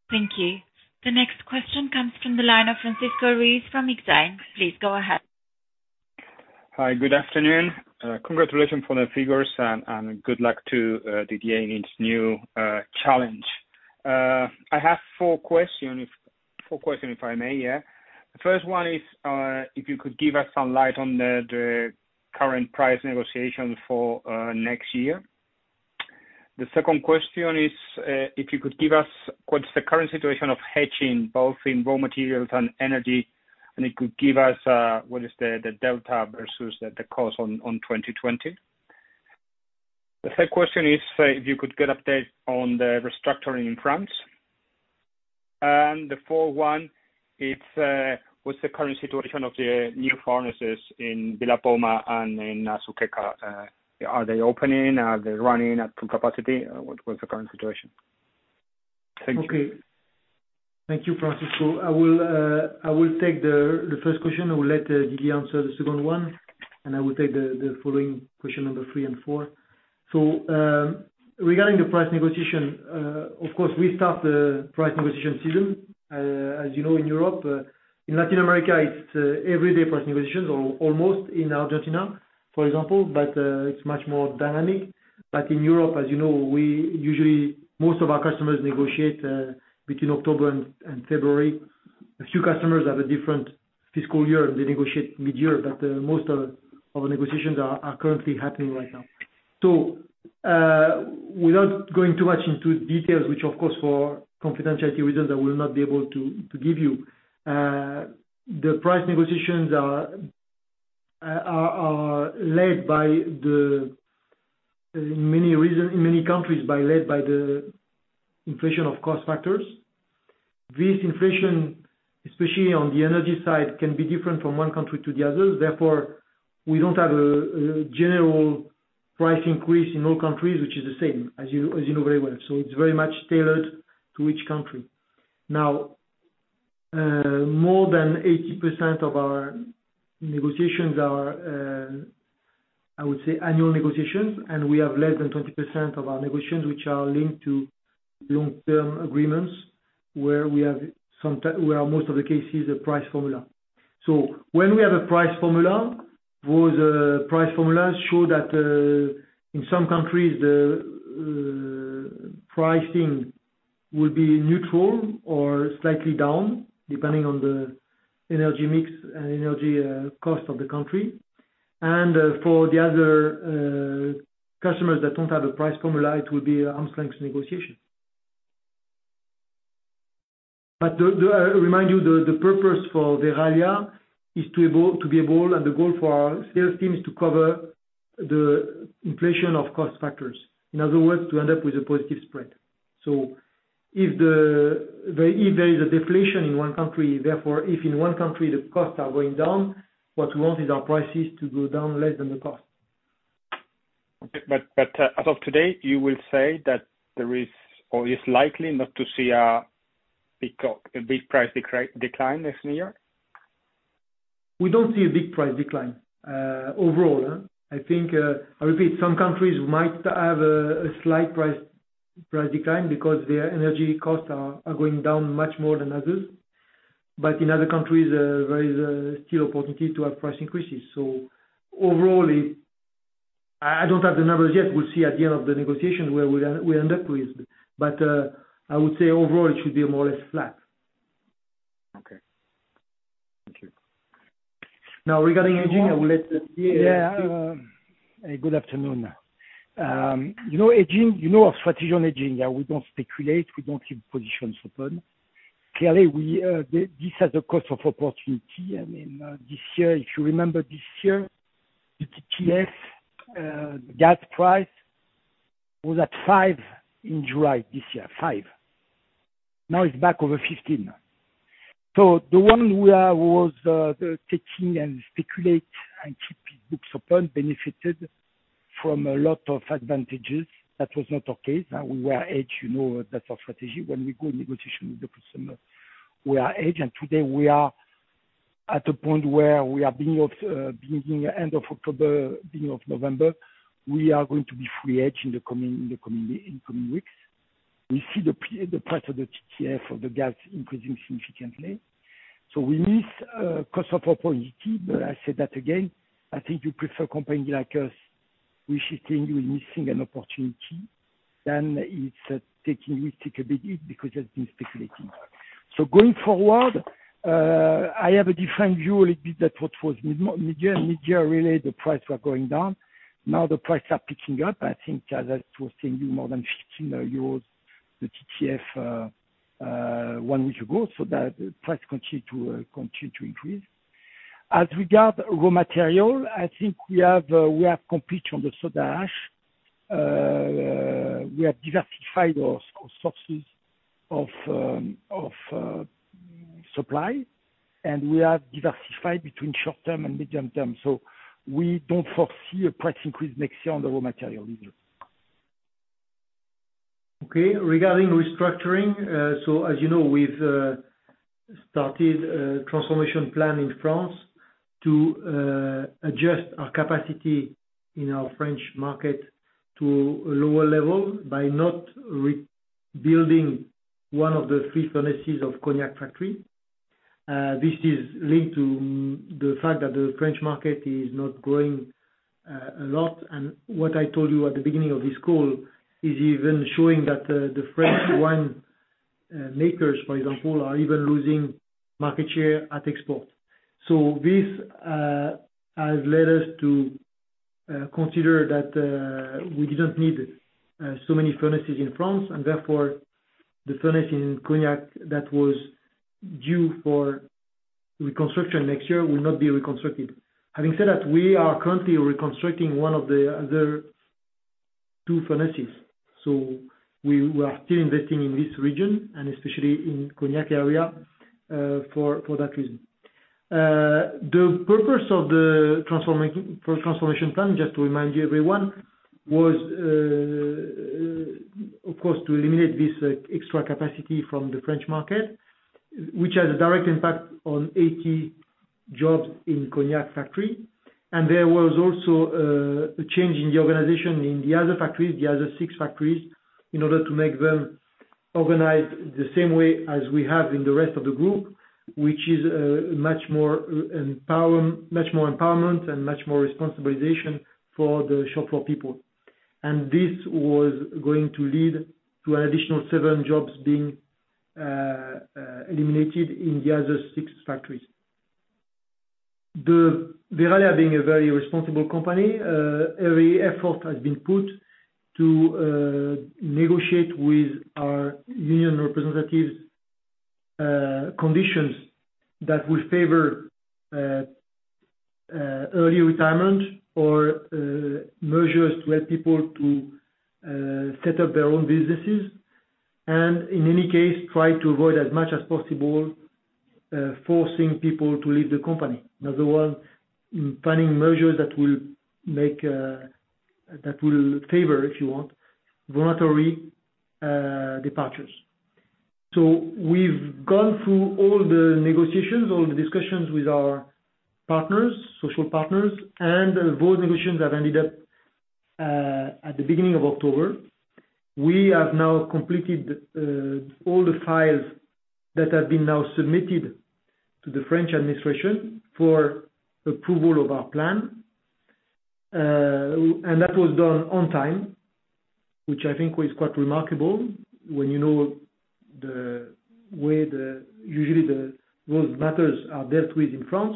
Thank you. The next question comes from the line of Francisco Ruiz from Exane. Please go ahead. Hi. Good afternoon. Congratulations for the figures and good luck to Didier in his new challenge. I have four questions, if I may. The first one is, if you could give us some light on the current price negotiation for next year. The second question is, if you could give us what is the current situation of hedging, both in raw materials and energy. You could give us what is the delta versus the cost on 2020. The third question is, if you could give an update on the restructuring in France. The fourth one, it's what's the current situation of the new furnaces in Villa Poma and in Azuqueca? Are they opening? Are they running at full capacity? What's the current situation? Thank you. Okay. Thank you, Francisco. I will take the first question, I will let Didier answer the second one, and I will take the following question number three and four. Regarding the price negotiation, of course, we start the price negotiation season, as you know, in Europe. In Latin America, it's everyday price negotiations, or almost in Argentina, for example, but it's much more dynamic. In Europe, as you know, usually, most of our customers negotiate between October and February. A few customers have a different fiscal year, they negotiate mid-year, but most of our negotiations are currently happening right now. Without going too much into details, which, of course, for confidentiality reasons, I will not be able to give you. The price negotiations are in many countries led by the inflation of cost factors. This inflation, especially on the energy side, can be different from one country to the other. Therefore, we don't have a general price increase in all countries, which is the same, as you know very well. It's very much tailored to each country. More than 80% of our negotiations are, I would say, annual negotiations, and we have less than 20% of our negotiations which are linked to long-term agreements, where most of the cases, the price formula. When we have a price formula, those price formulas show that, in some countries, the pricing will be neutral or slightly down, depending on the energy mix and energy cost of the country. For the other customers that don't have a price formula, it will be arm's length negotiation. To remind you, the purpose for Verallia is to be able, and the goal for our sales team is to cover the inflation of cost factors. In other words, to end up with a positive spread. If there is a deflation in one country, therefore, if in one country the costs are going down, what we want is our prices to go down less than the cost. Okay. As of today, you will say that there is, or is likely not to see a big price decline next year? We don't see a big price decline, overall. I repeat, some countries might have a slight price decline because their energy costs are going down much more than others. In other countries, there is still opportunity to have price increases. Overall, I don't have the numbers yet. We'll see at the end of the negotiation where we end up with. I would say overall, it should be more or less flat. Okay. Thank you. Regarding hedging, I will let Didier speak. Yeah. Good afternoon. You know our strategy on hedging. We don't speculate, we don't keep positions open. Clearly, this has a cost of opportunity. If you remember this year, the TTF gas price was at five in July this year. Five. Now it's back over 15. The one who was taking and speculate and keep his books open benefited from a lot of advantages. That was not our case. We were hedged, you know that's our strategy. When we go negotiation with the customer, we are hedged. Today, we are at a point where we are beginning end of October, beginning of November. We are going to be free hedged in the coming weeks. We see the price of the TTF, of the gas increasing significantly. We miss cost of opportunity. I say that again, I think you prefer company like us, we shifting with missing an opportunity, than it's taking risk a big hit because you've been speculating. Going forward, I have a different view a little bit that what was mid-year. Mid-year really, the price were going down. Now the price are picking up. I think as I was telling you more than 15 euros, the TTF, one week ago. That price continue to increase. As regard raw material, I think we have complete on the soda ash. We have diversified our sources of supply, and we have diversified between short-term and medium-term. We don't foresee a price increase next year on the raw material either. Okay, regarding restructuring. As you know, we've started a transformation plan in France to adjust our capacity in our French market to a lower level by not rebuilding one of the three furnaces of Cognac factory. This is linked to the fact that the French market is not growing a lot. What I told you at the beginning of this call is even showing that the French wine makers, for example, are even losing market share at export. This has led us to consider that we didn't need so many furnaces in France, and therefore the furnace in Cognac that was due for reconstruction next year will not be reconstructed. Having said that, we are currently reconstructing one of the other two furnaces. We are still investing in this region, and especially in Cognac area, for that reason. The purpose of the transformation plan, just to remind everyone, was of course, to eliminate this extra capacity from the French market, which has a direct impact on 80 jobs in Cognac factory. There was also a change in the organization in the other factories, the other six factories, in order to make them organized the same way as we have in the rest of the group, which is much more empowerment and much more responsibilization for the shop floor people. This was going to lead to an additional seven jobs being eliminated in the other six factories. Verallia being a very responsible company, every effort has been put to negotiate with our union representatives, conditions that will favor early retirement or measures to help people to set up their own businesses and, in any case, try to avoid as much as possible, forcing people to leave the company. In other words, planning measures that will favor, if you want, voluntary departures. We've gone through all the negotiations, all the discussions with our partners, social partners, and those negotiations have ended up at the beginning of October. We have now completed all the files that have been now submitted to the French administration for approval of our plan. That was done on time, which I think was quite remarkable when you know the way usually those matters are dealt with in France.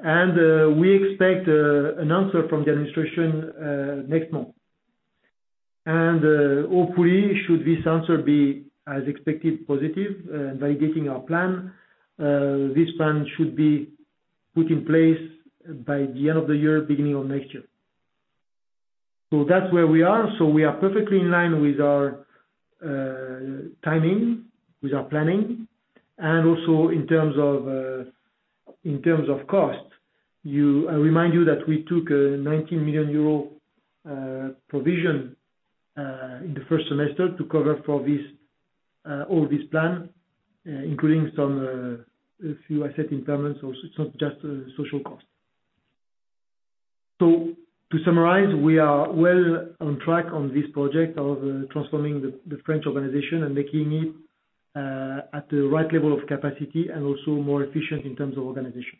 We expect an answer from the administration next month. Hopefully, should this answer be as expected, positive, validating our plan, this plan should be put in place by the end of the year, beginning of next year. That's where we are. We are perfectly in line with our timing, with our planning, and also in terms of cost. I remind you that we took a 19 million euro provision in the first semester to cover for all this plan, including some few asset impairments, so it's not just social cost. To summarize, we are well on track on this project of transforming the French organization and making it at the right level of capacity and also more efficient in terms of organization.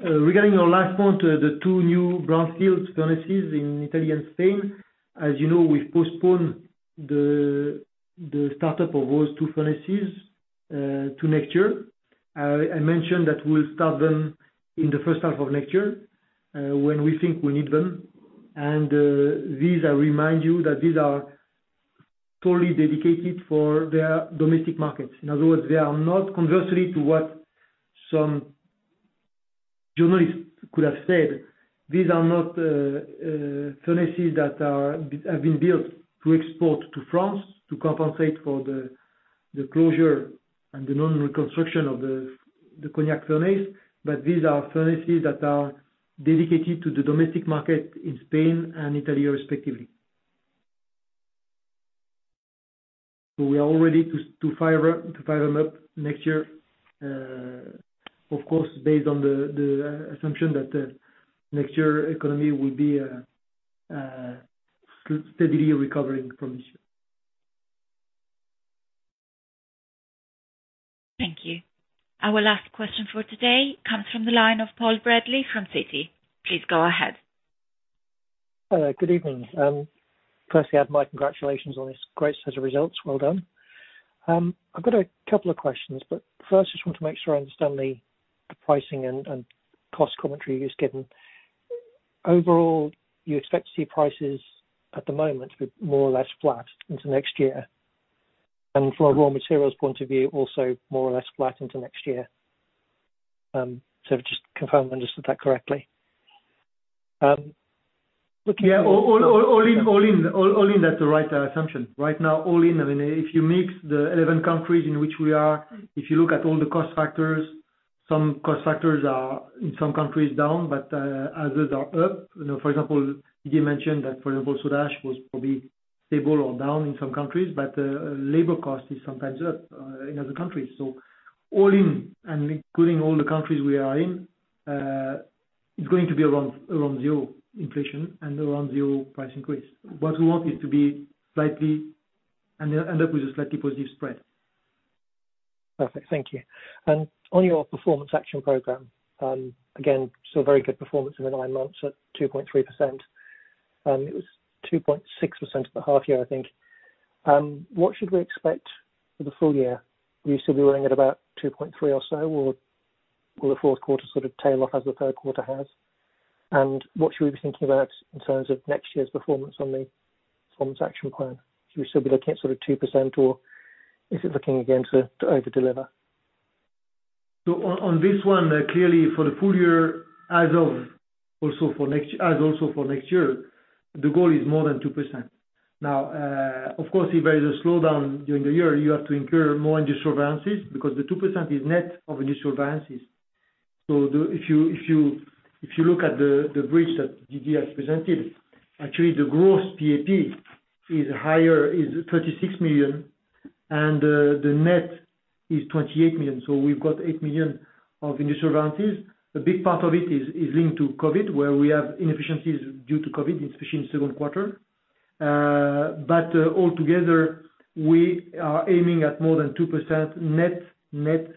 Regarding your last point, the two new brownfield furnaces in Italy and Spain, as you know, we've postponed the startup of those two furnaces to next year. I mentioned that we'll start them in the first half of next year, when we think we need them. These, I remind you that these are totally dedicated for their domestic markets. In other words, they are not conversely to what some journalists could have said, these are not furnaces that have been built to export to France to compensate for the closure and the non-reconstruction of the Cognac furnace. These are furnaces that are dedicated to the domestic market in Spain and Italy, respectively. We are all ready to fire them up next year, of course, based on the assumption that next year economy will be steadily recovering from this year. Thank you. Our last question for today comes from the line of Paul Bradley from Citi. Please go ahead. Hello, good evening. Firstly, I have my congratulations on this great set of results. Well done. I've got a couple of questions, but first, I just want to make sure I understand the pricing and cost commentary you've given. Overall, you expect to see prices at the moment be more or less flat into next year. From a raw materials point of view, also more or less flat into next year. Just confirm I understood that correctly. Yeah. All in, that's the right assumption. Right now, all in, if you mix the 11 countries in which we are, if you look at all the cost factors, some cost factors are in some countries down, but others are up. For example, Didier mentioned that, for example, soda ash was probably stable or down in some countries, but labor cost is sometimes up in other countries. All in, and including all the countries we are in, it's going to be around zero inflation and around zero price increase. What we want is to end up with a slightly positive spread. Perfect. Thank you. On your Performance Action Program, again, saw very good performance in the nine months at 2.3%. It was 2.6% at the half year, I think. What should we expect for the full year? Will you still be running at about 2.3% or so, or will the fourth quarter sort of tail off as the third quarter has? What should we be thinking about in terms of next year's performance on the Performance Action Plan? Should we still be looking at sort of 2%, or is it looking again to over-deliver? On this one, clearly for the full year, as ofAlso for next year, the goal is more than 2%. Of course, if there is a slowdown during the year, you have to incur more industrial variances because the 2% is net of industrial variances. If you look at the bridge that Didier has presented, actually the gross PAP is 36 million and the net is 28 million. We've got 8 million of industrial variances. A big part of it is linked to COVID, where we have inefficiencies due to COVID, especially in the second quarter. All together, we are aiming at more than 2% net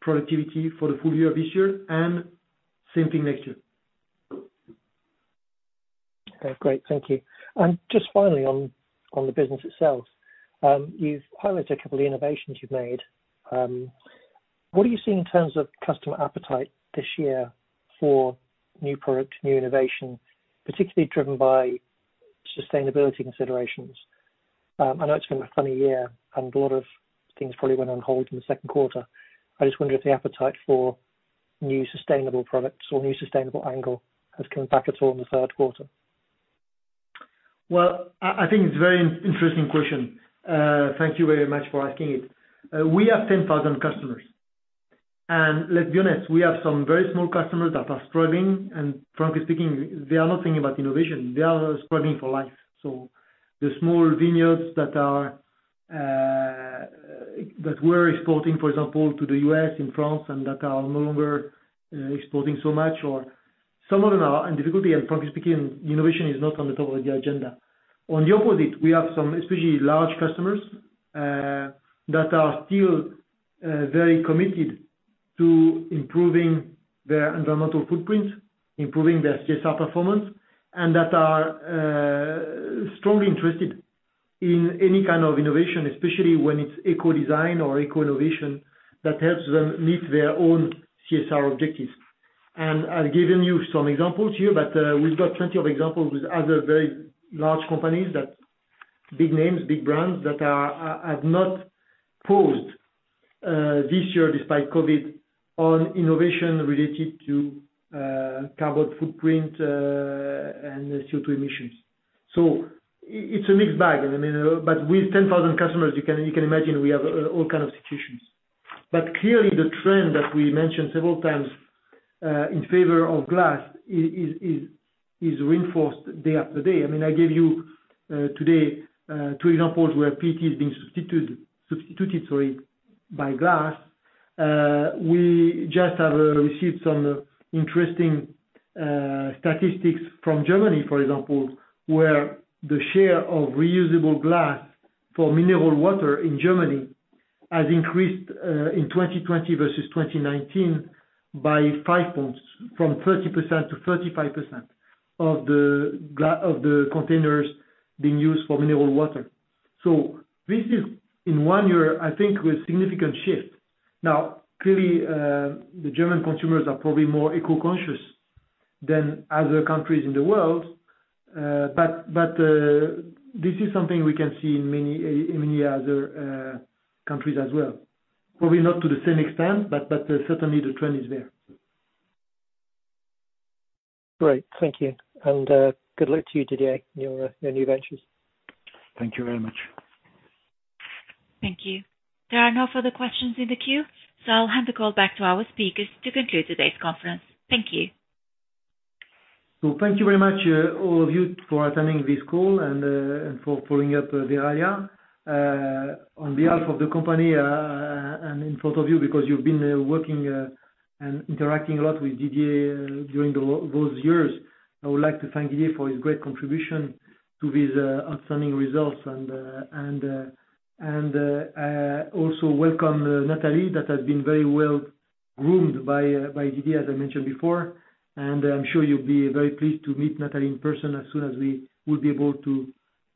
productivity for the full year of this year and same thing next year. Okay, great. Thank you. Just finally on the business itself. You've highlighted a couple of innovations you've made. What are you seeing in terms of customer appetite this year for new product, new innovation, particularly driven by sustainability considerations? I know it's been a funny year and a lot of things probably went on hold in the second quarter. I just wonder if the appetite for new sustainable products or new sustainable angle has come back at all in the third quarter. Well, I think it's a very interesting question. Thank you very much for asking it. We have 10,000 customers, Let's be honest, we have some very small customers that are struggling. Frankly speaking, they are not thinking about innovation. They are struggling for life. The small vineyards that were exporting, for example, to the U.S. and France and that are no longer exporting so much or some of them are in difficulty and frankly speaking, innovation is not on the top of the agenda. On the opposite, we have some especially large customers that are still very committed to improving their environmental footprint, improving their CSR performance, and that are strongly interested in any kind of innovation, especially when it's eco-design or eco-innovation that helps them meet their own CSR objectives. I've given you some examples here, but we've got plenty of examples with other very large companies, big names, big brands that have not paused this year despite COVID on innovation related to carbon footprint and CO2 emissions. It's a mixed bag. With 10,000 customers, you can imagine we have all kind of situations. Clearly the trend that we mentioned several times in favor of glass is reinforced day after day. I gave you today two examples where PET is being substituted by glass. We just have received some interesting statistics from Germany, for example, where the share of reusable glass for mineral water in Germany has increased in 2020 versus 2019 by five points, from 30%-35% of the containers being used for mineral water. This is in one year, I think with significant shift. Clearly, the German consumers are probably more eco-conscious than other countries in the world. This is something we can see in many other countries as well. Probably not to the same extent, but certainly the trend is there. Great. Thank you. Good luck to you Didier in your new ventures. Thank you very much. Thank you. There are no further questions in the queue, so I'll hand the call back to our speakers to conclude today's conference. Thank you. Thank you very much all of you for attending this call and for following up Verallia. On behalf of the company and in front of you, because you've been working and interacting a lot with Didier during those years, I would like to thank Didier for his great contribution to these outstanding results and also welcome Nathalie that has been very well groomed by Didier, as I mentioned before. I'm sure you'll be very pleased to meet Nathalie in person as soon as we will be able to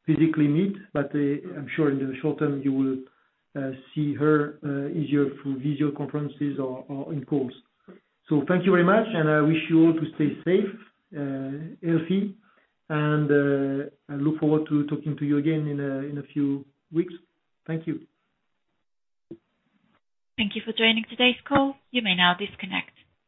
physically meet. I'm sure in the short term you will see her easier through video conferences or on calls. Thank you very much, and I wish you all to stay safe, healthy, and I look forward to talking to you again in a few weeks. Thank you. Thank you for joining today's call. You may now disconnect.